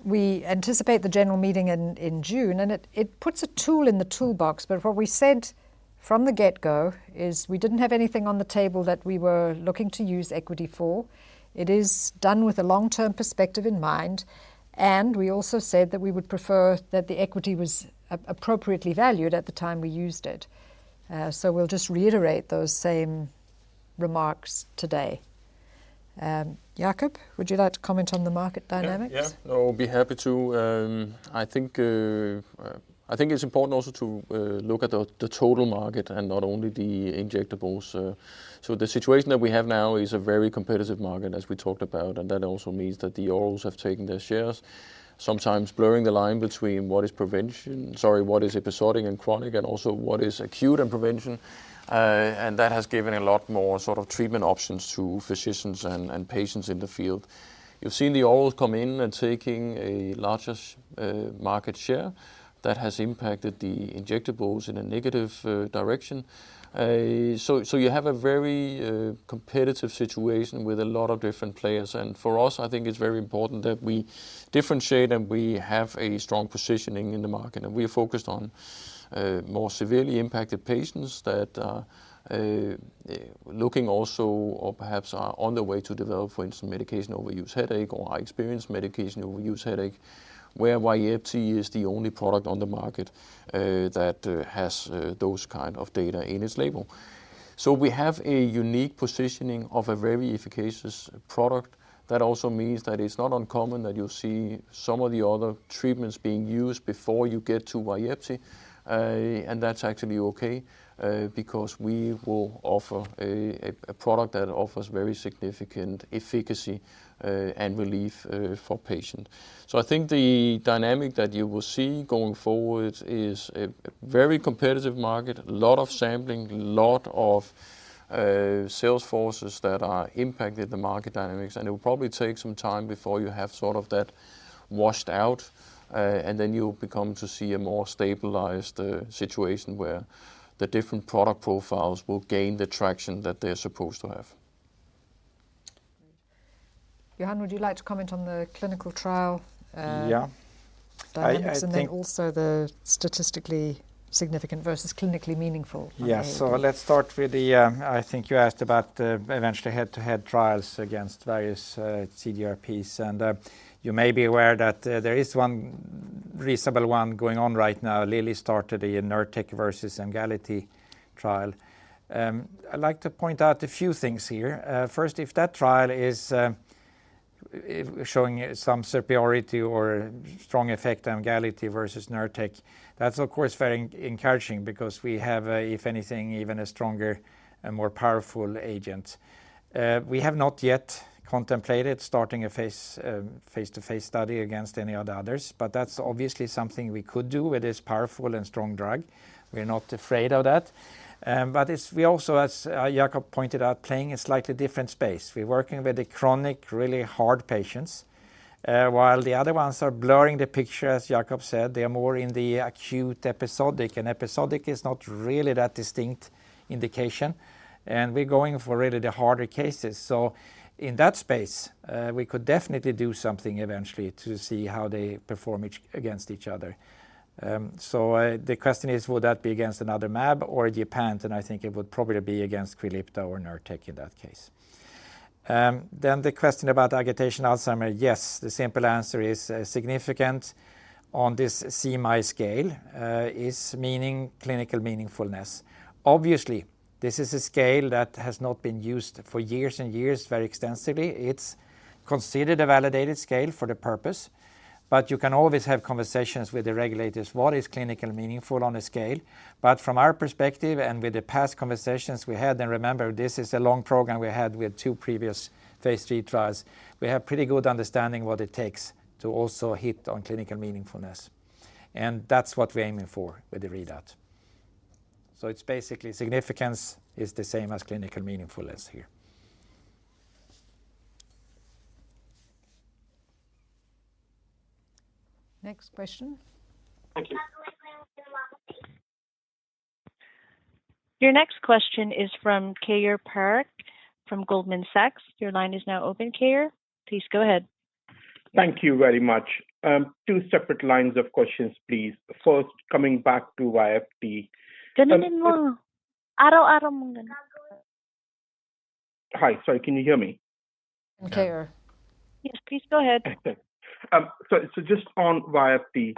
S2: we anticipate the general meeting in June, and it puts a tool in the toolbox. What we said from the get-go is we didn't have anything on the table that we were looking to use equity for. It is done with a long-term perspective in mind, and we also said that we would prefer that the equity was appropriately valued at the time we used it. We'll just reiterate those same remarks today. Jakob, would you like to comment on the market dynamics?
S6: Yeah. No, I'll be happy to. I think it's important also to look at the total market and not only the injectables. The situation that we have now is a very competitive market, as we talked about, and that also means that the orals have taken their shares, sometimes blurring the line between what is episodic and chronic and also what is acute and prevention. That has given a lot more sort of treatment options to physicians and patients in the field. You've seen the orals come in and taking a larger market share that has impacted the injectables in a negative direction. You have a very competitive situation with a lot of different players. For us, I think it's very important that we differentiate and we have a strong positioning in the market. We are focused on more severely impacted patients that are looking also or perhaps are on their way to develop, for instance, medication overuse headache or are experienced medication overuse headache, where Vyepti is the only product on the market that has those kind of data in its label. We have a unique positioning of a very efficacious product. That also means that it's not uncommon that you'll see some of the other treatments being used before you get to Vyepti. That's actually okay because we will offer a product that offers very significant efficacy and relief for patient. I think the dynamic that you will see going forward is a very competitive market, a lot of sampling, a lot of sales forces that are impacting the market dynamics, and it will probably take some time before you have sort of that washed out. Then you'll begin to see a more stabilized situation where the different product profiles will gain the traction that they're supposed to have.
S2: Great. Johan, would you like to comment on the clinical trial?
S3: Yeah.
S2: -dynamics-
S3: I think.
S2: the statistically significant versus clinically meaningful on the AA?
S3: Yes. Let's start with I think you asked about the eventual head-to-head trials against various CGRPs. You may be aware that there is one reasonable one going on right now. Lilly started a Nurtec versus Aimovig trial. I'd like to point out a few things here. First, if that trial is showing some superiority or strong effect Aimovig versus Nurtec, that's of course very encouraging because we have, if anything, even a stronger and more powerful agent. We have not yet contemplated starting a phase face-to-face study against any of the others, but that's obviously something we could do. It is powerful and strong drug. We're not afraid of that. But we also, as Jakob pointed out, playing a slightly different space. We're working with the chronic, really hard patients. While the other ones are blurring the picture, as Jacob said, they are more in the acute episodic, and episodic is not really that distinct indication. We're going for really the harder cases. In that space, we could definitely do something eventually to see how they perform each against each other. The question is, would that be against another mAb or it depends, and I think it would probably be against QULIPTA or Nurtec in that case. The question about agitation Alzheimer's, yes. The simple answer is significant on this CMAI scale is meaning clinical meaningfulness. Obviously, this is a scale that has not been used for years and years very extensively. It's considered a validated scale for the purpose, but you can always have conversations with the regulators, what is clinical meaningful on a scale? From our perspective and with the past conversations we had, and remember, this is a long program we had with two previous phase III trials, we have pretty good understanding what it takes to also hit on clinical meaningfulness. That's what we're aiming for with the readout. It's basically significance is the same as clinical meaningfulness here.
S2: Next question.
S1: Your next question is from Keyur Parekh from Goldman Sachs. Your line is now open, Keyur. Please go ahead.
S14: Thank you very much. Two separate lines of questions please. First, coming back to Vyepti. Hi. Sorry, can you hear me?
S1: Kayur. Yes, please go ahead.
S14: Okay. So just on Vyepti.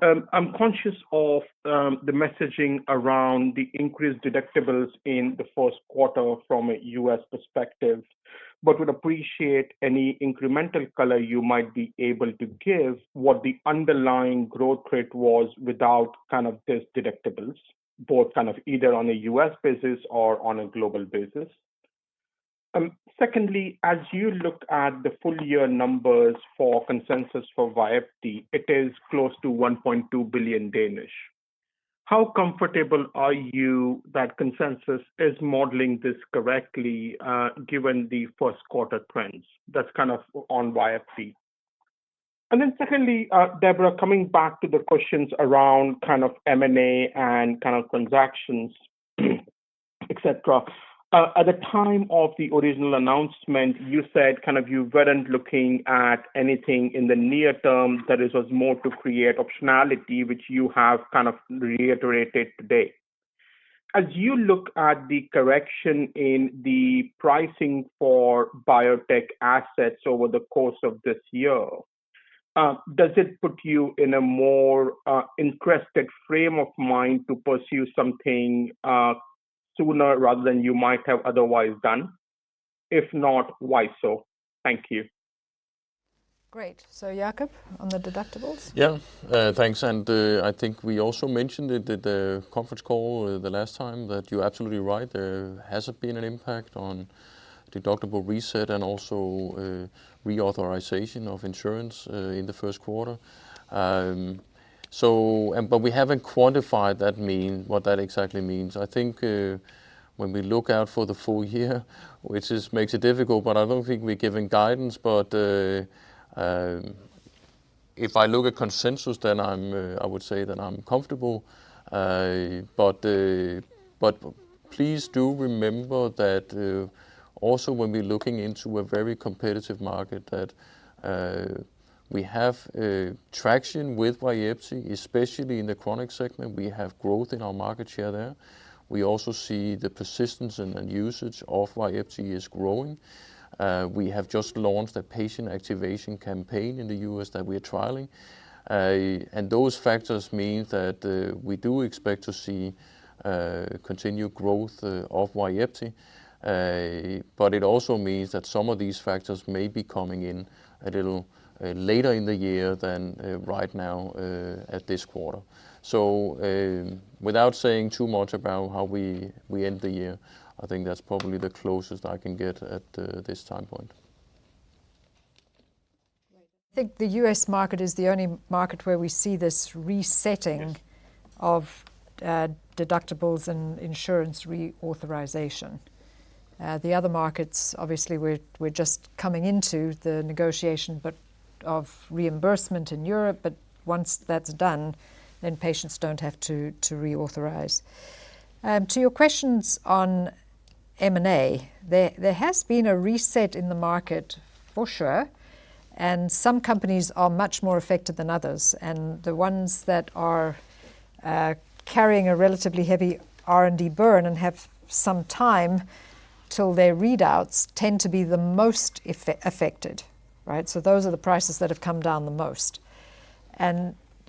S14: I'm conscious of the messaging around the increased deductibles in the first quarter from a U.S. perspective, but would appreciate any incremental color you might be able to give what the underlying growth rate was without kind of those deductibles, both kind of either on a U.S. basis or on a global basis. Secondly, as you look at the full year numbers for consensus for Vyepti, it is close to 1.2 billion. How comfortable are you that consensus is modeling this correctly, given the first quarter trends? That's kind of on Vyepti. Then secondly, Deborah, coming back to the questions around kind of M&A and kind of transactions, et cetera. At the time of the original announcement, you said kind of you weren't looking at anything in the near term that it was more to create optionality, which you have kind of reiterated today. As you look at the correction in the pricing for biotech assets over the course of this year, does it put you in a more interested frame of mind to pursue something sooner rather than you might have otherwise done? If not, why so? Thank you.
S2: Great. Jakob on the deductibles.
S6: Yeah. Thanks. I think we also mentioned it at the conference call the last time that you're absolutely right. There hasn't been an impact on deductible reset and also reauthorization of insurance in the first quarter. We haven't quantified that, meaning what that exactly means. I think when we look out for the full year, which makes it difficult, but I don't think we're giving guidance. If I look at consensus, then I would say that I'm comfortable. Please do remember that also when we're looking into a very competitive market that we have traction with Vyepti, especially in the chronic segment. We have growth in our market share there. We also see the persistence and usage of Vyepti is growing. We have just launched a patient activation campaign in the U.S. that we're trialing. Those factors mean that we do expect to see continued growth of Vyepti. It also means that some of these factors may be coming in a little later in the year than right now at this quarter. Without saying too much about how we end the year, I think that's probably the closest I can get at this time point.
S2: I think the U.S. market is the only market where we see this resetting.
S6: Yes...
S2: of deductibles and insurance reauthorization. The other markets, obviously we're just coming into the negotiation, but of reimbursement in Europe. Once that's done, patients don't have to reauthorize. To your questions on M&A, there has been a reset in the market for sure, and some companies are much more affected than others. The ones that are carrying a relatively heavy R&D burn and have some time till their readouts tend to be the most affected, right? Those are the prices that have come down the most.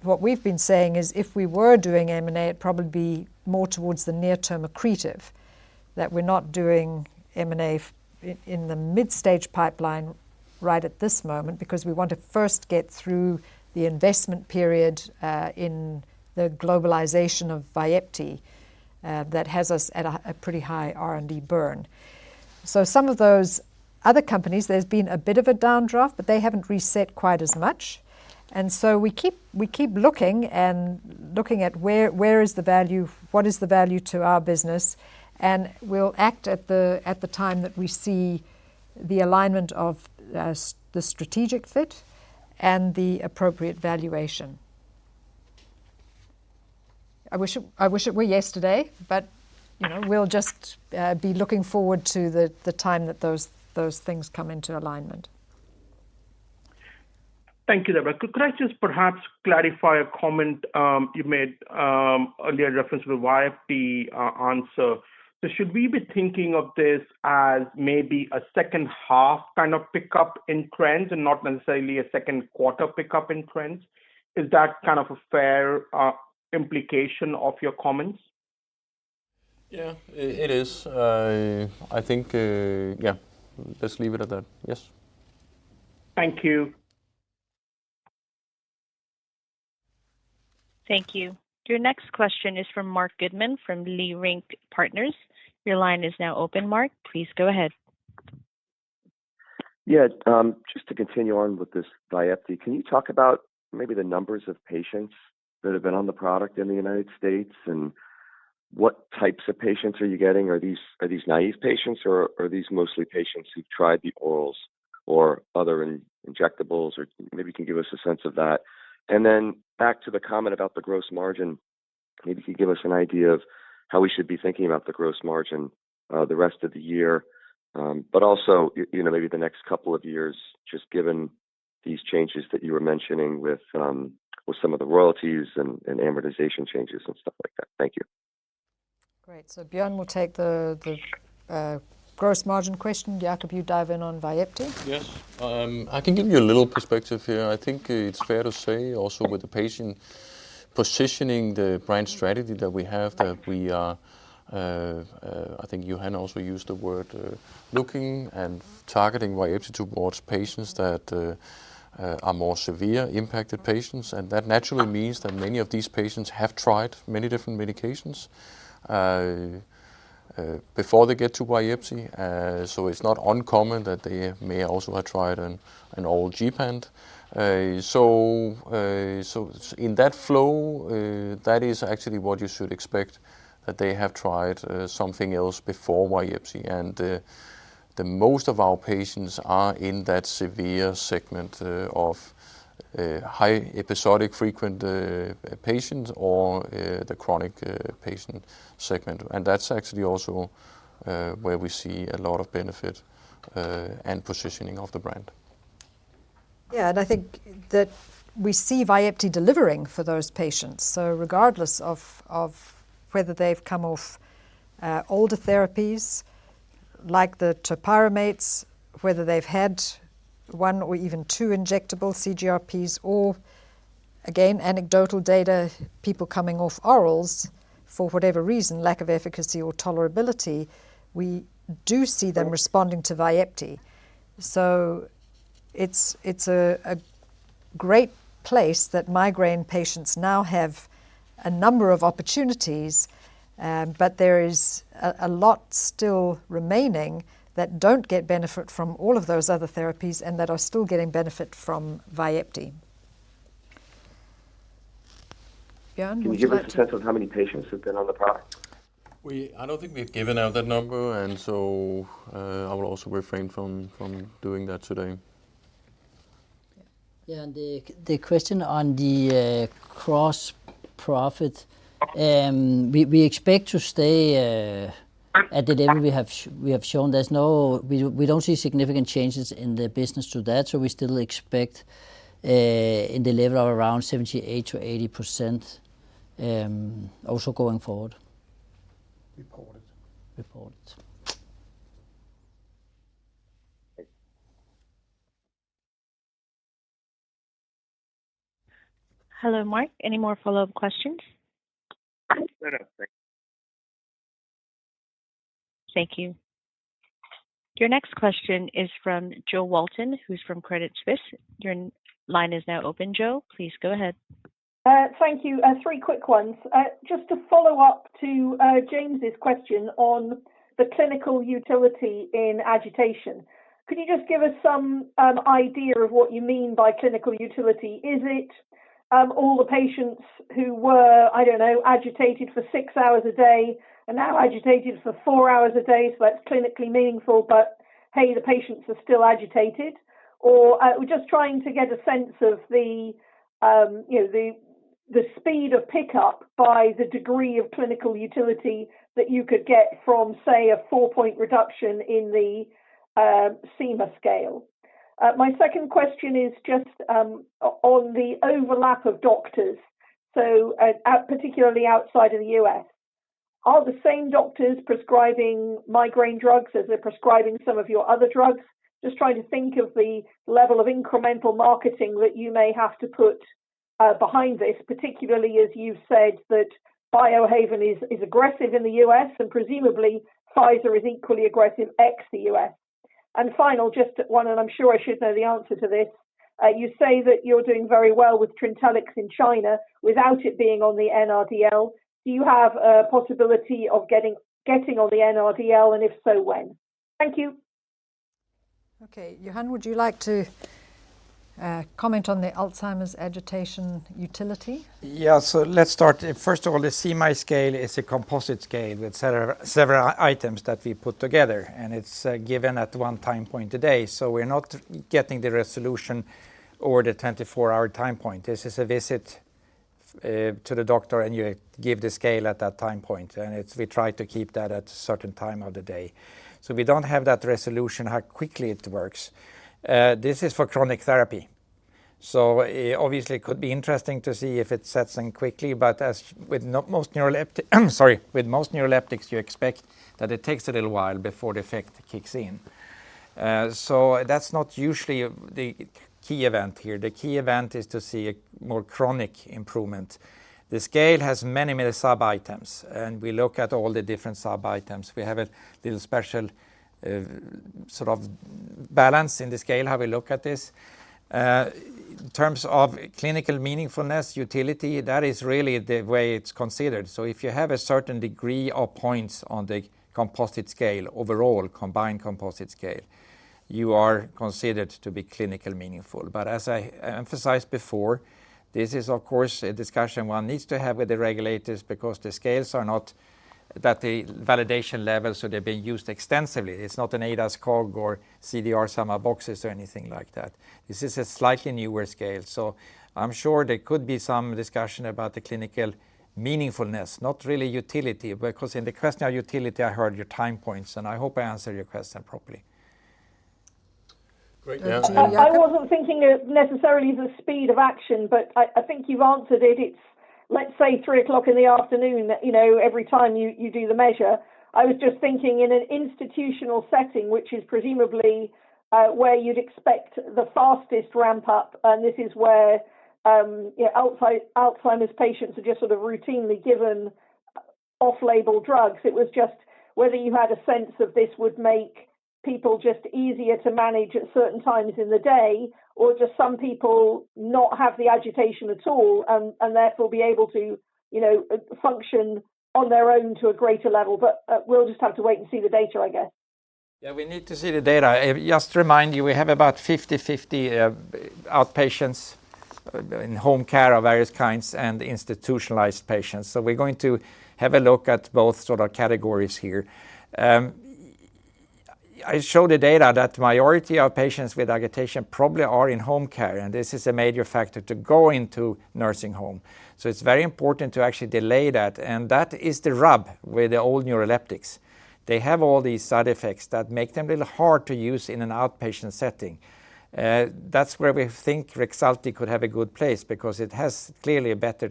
S2: What we've been saying is, if we were doing M&A, it'd probably be more towards the near term accretive. That we're not doing M&A in the mid-stage pipeline right at this moment because we want to first get through the investment period in the globalization of Vyepti, that has us at a pretty high R&D burn. Some of those other companies, there's been a bit of a downdraft, but they haven't reset quite as much. We keep looking at where is the value, what is the value to our business, and we'll act at the time that we see the alignment of the strategic fit and the appropriate valuation. I wish it were yesterday, but, you know, we'll just be looking forward to the time that those things come into alignment.
S14: Thank you, Deborah. Could I just perhaps clarify a comment you made earlier in reference to the Vyepti answer? Should we be thinking of this as maybe a second half kind of pickup in trends and not necessarily a second quarter pickup in trends? Is that kind of a fair implication of your comments?
S6: Yeah, it is. I think, yeah, let's leave it at that. Yes.
S14: Thank you.
S1: Thank you. Your next question is from Marc Goodman, from Leerink Partners. Your line is now open, Marc. Please go ahead.
S15: Just to continue on with this Vyepti, can you talk about maybe the numbers of patients that have been on the product in the United States, and what types of patients are you getting? Are these naive patients or are these mostly patients who've tried the orals or other injectables or maybe can give us a sense of that. Back to the comment about the gross margin, maybe if you give us an idea of how we should be thinking about the gross margin the rest of the year. But also, you know, maybe the next couple of years just given these changes that you were mentioning with some of the royalties and amortization changes and stuff like that. Thank you.
S2: Great. Bjørn will take the gross margin question. Jacob, you dive in on Vyepti.
S6: Yes. I can give you a little perspective here. I think it's fair to say also with the patient positioning the brand strategy that we have, that we are, I think Johan also used the word, looking and targeting Vyepti towards patients that, are more severely impacted patients. That naturally means that many of these patients have tried many different medications, before they get to Vyepti. It's not uncommon that they may also have tried an oral gepant. In that flow, that is actually what you should expect, that they have tried, something else before Vyepti. The most of our patients are in that severe segment, of, high-frequency episodic patients or, the chronic patient segment. That's actually also where we see a lot of benefit and positioning of the brand.
S2: Yeah. I think that we see Vyepti delivering for those patients. Regardless of whether they've come off older therapies like the topiramate, whether they've had one or even two injectable CGRPs or again, anecdotal data, people coming off orals for whatever reason, lack of efficacy or tolerability, we do see them responding to Vyepti. It's a great place that migraine patients now have a number of opportunities, but there is a lot still remaining that don't get benefit from all of those other therapies and that are still getting benefit from Vyepti. Bjørn, would you like to?
S15: Can you give us a sense of how many patients have been on the product?
S6: I don't think we've given out that number, and so, I will also refrain from doing that today.
S4: Yeah. The question on the gross profit, we expect to stay at the level we have shown. We don't see significant changes in the business to that, so we still expect in the level of around 78%-80%, also going forward.
S2: Report it.
S4: Report it.
S1: Hello, Marc. Any more follow-up questions?
S15: No, no. Thank you.
S1: Thank you. Your next question is from Jo Walton, who's from Credit Suisse. Your line is now open, Jo. Please go ahead.
S7: Thank you. Three quick ones. Just to follow up to James' question on the clinical utility in agitation. Could you just give us some idea of what you mean by clinical utility? Is it all the patients who were, I don't know, agitated for six hours a day and now agitated for four hours a day, so that's clinically meaningful, but hey, the patients are still agitated? Or we're just trying to get a sense of the you know, the speed of pickup by the degree of clinical utility that you could get from, say, a four point reduction in the CMAI scale. My second question is just on the overlap of doctors. So at particularly outside of the US, are the same doctors prescribing migraine drugs as they're prescribing some of your other drugs? Just trying to think of the level of incremental marketing that you may have to put behind this, particularly as you've said that Biohaven is aggressive in the US, and presumably Pfizer is equally aggressive ex the U.S. Finally, just one, and I'm sure I should know the answer to this. You say that you're doing very well with Trintellix in China without it being on the NRDL. Do you have a possibility of getting on the NRDL, and if so, when? Thank you.
S2: Okay. Johan, would you like to comment on the Alzheimer's agitation utility?
S3: Yeah. Let's start. First of all, the SIMI scale is a composite scale with several items that we put together, and it's given at one time point a day. We're not getting the resolution or the 24-hour time point. This is a visit to the doctor and you give the scale at that time point, and it's we try to keep that at a certain time of the day. We don't have that resolution how quickly it works. This is for chronic therapy. Obviously it could be interesting to see if it sets in quickly, but as with most neuroleptics, you expect that it takes a little while before the effect kicks in. That's not usually the key event here. The key event is to see a more chronic improvement. The scale has many, many sub items, and we look at all the different sub items. We have a little special, sort of balance in the scale how we look at this. In terms of clinical meaningfulness, utility, that is really the way it's considered. If you have a certain degree or points on the composite scale, overall combined composite scale, you are considered to be clinical meaningful. As I emphasized before, this is of course a discussion one needs to have with the regulators because the scales are not at that validation level, so they're being used extensively. It's not an ADAS-Cog or CDR Sum of Boxes or anything like that. This is a slightly newer scale. I'm sure there could be some discussion about the clinical meaningfulness, not really utility, because in the question of utility, I heard your time points, and I hope I answered your question properly.
S2: Great. Thank you.
S7: I wasn't thinking of necessarily the speed of action, but I think you've answered it. It's, let's say, 3:00 P.M. that every time you do the measure. I was just thinking in an institutional setting, which is presumably where you'd expect the fastest ramp up, and this is where you know, Alzheimer's patients are just sort of routinely given off-label drugs. It was just whether you had a sense that this would make people just easier to manage at certain times in the day, or just some people not have the agitation at all and therefore be able to you know, function on their own to a greater level. We'll just have to wait and see the data, I guess.
S3: Yeah, we need to see the data. Just to remind you, we have about 50/50 outpatients in home care of various kinds and institutionalized patients. We're going to have a look at both sort of categories here. I show the data that majority of patients with agitation probably are in home care, and this is a major factor to go into nursing home. It's very important to actually delay that, and that is the rub with the old neuroleptics. They have all these side effects that make them a little hard to use in an outpatient setting. That's where we think Rexulti could have a good place because it has clearly a better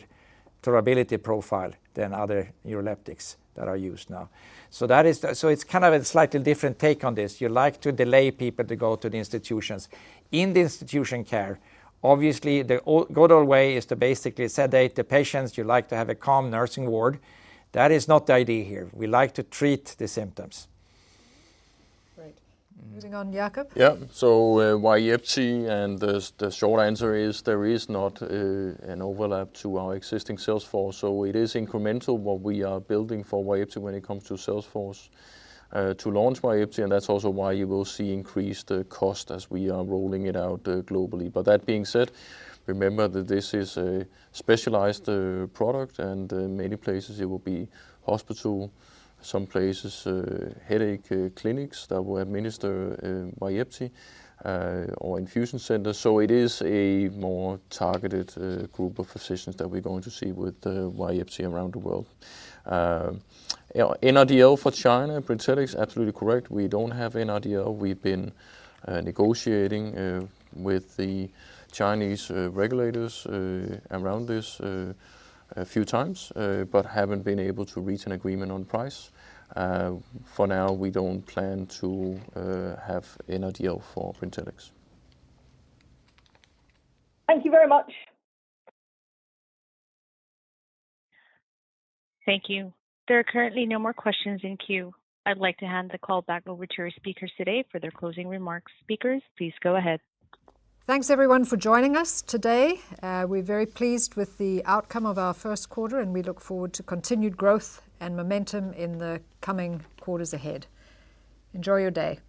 S3: tolerability profile than other neuroleptics that are used now. It's kind of a slightly different take on this. You like to delay people to go to the institutions. In institutional care, obviously, the good old way is to basically sedate the patients. You like to have a calm nursing ward. That is not the idea here. We like to treat the symptoms.
S2: Great. Moving on, Jacob.
S6: Vyepti and the short answer is there is not an overlap to our existing sales force. It is incremental what we are building for Vyepti when it comes to sales force to launch Vyepti, and that's also why you will see increased cost as we are rolling it out globally. That being said, remember that this is a specialized product and in many places it will be hospital, some places, headache clinics that will administer Vyepti or infusion centers. It is a more targeted group of physicians that we're going to see with the Vyepti around the world. NRDL for China, Brintellix, absolutely correct. We don't have NRDL. We've been negotiating with the Chinese regulators around this a few times, but haven't been able to reach an agreement on price. For now, we don't plan to have NRDL for Brintellix.
S7: Thank you very much.
S1: Thank you. There are currently no more questions in queue. I'd like to hand the call back over to our speakers today for their closing remarks. Speakers, please go ahead.
S2: Thanks everyone for joining us today. We're very pleased with the outcome of our first quarter, and we look forward to continued growth and momentum in the coming quarters ahead. Enjoy your day.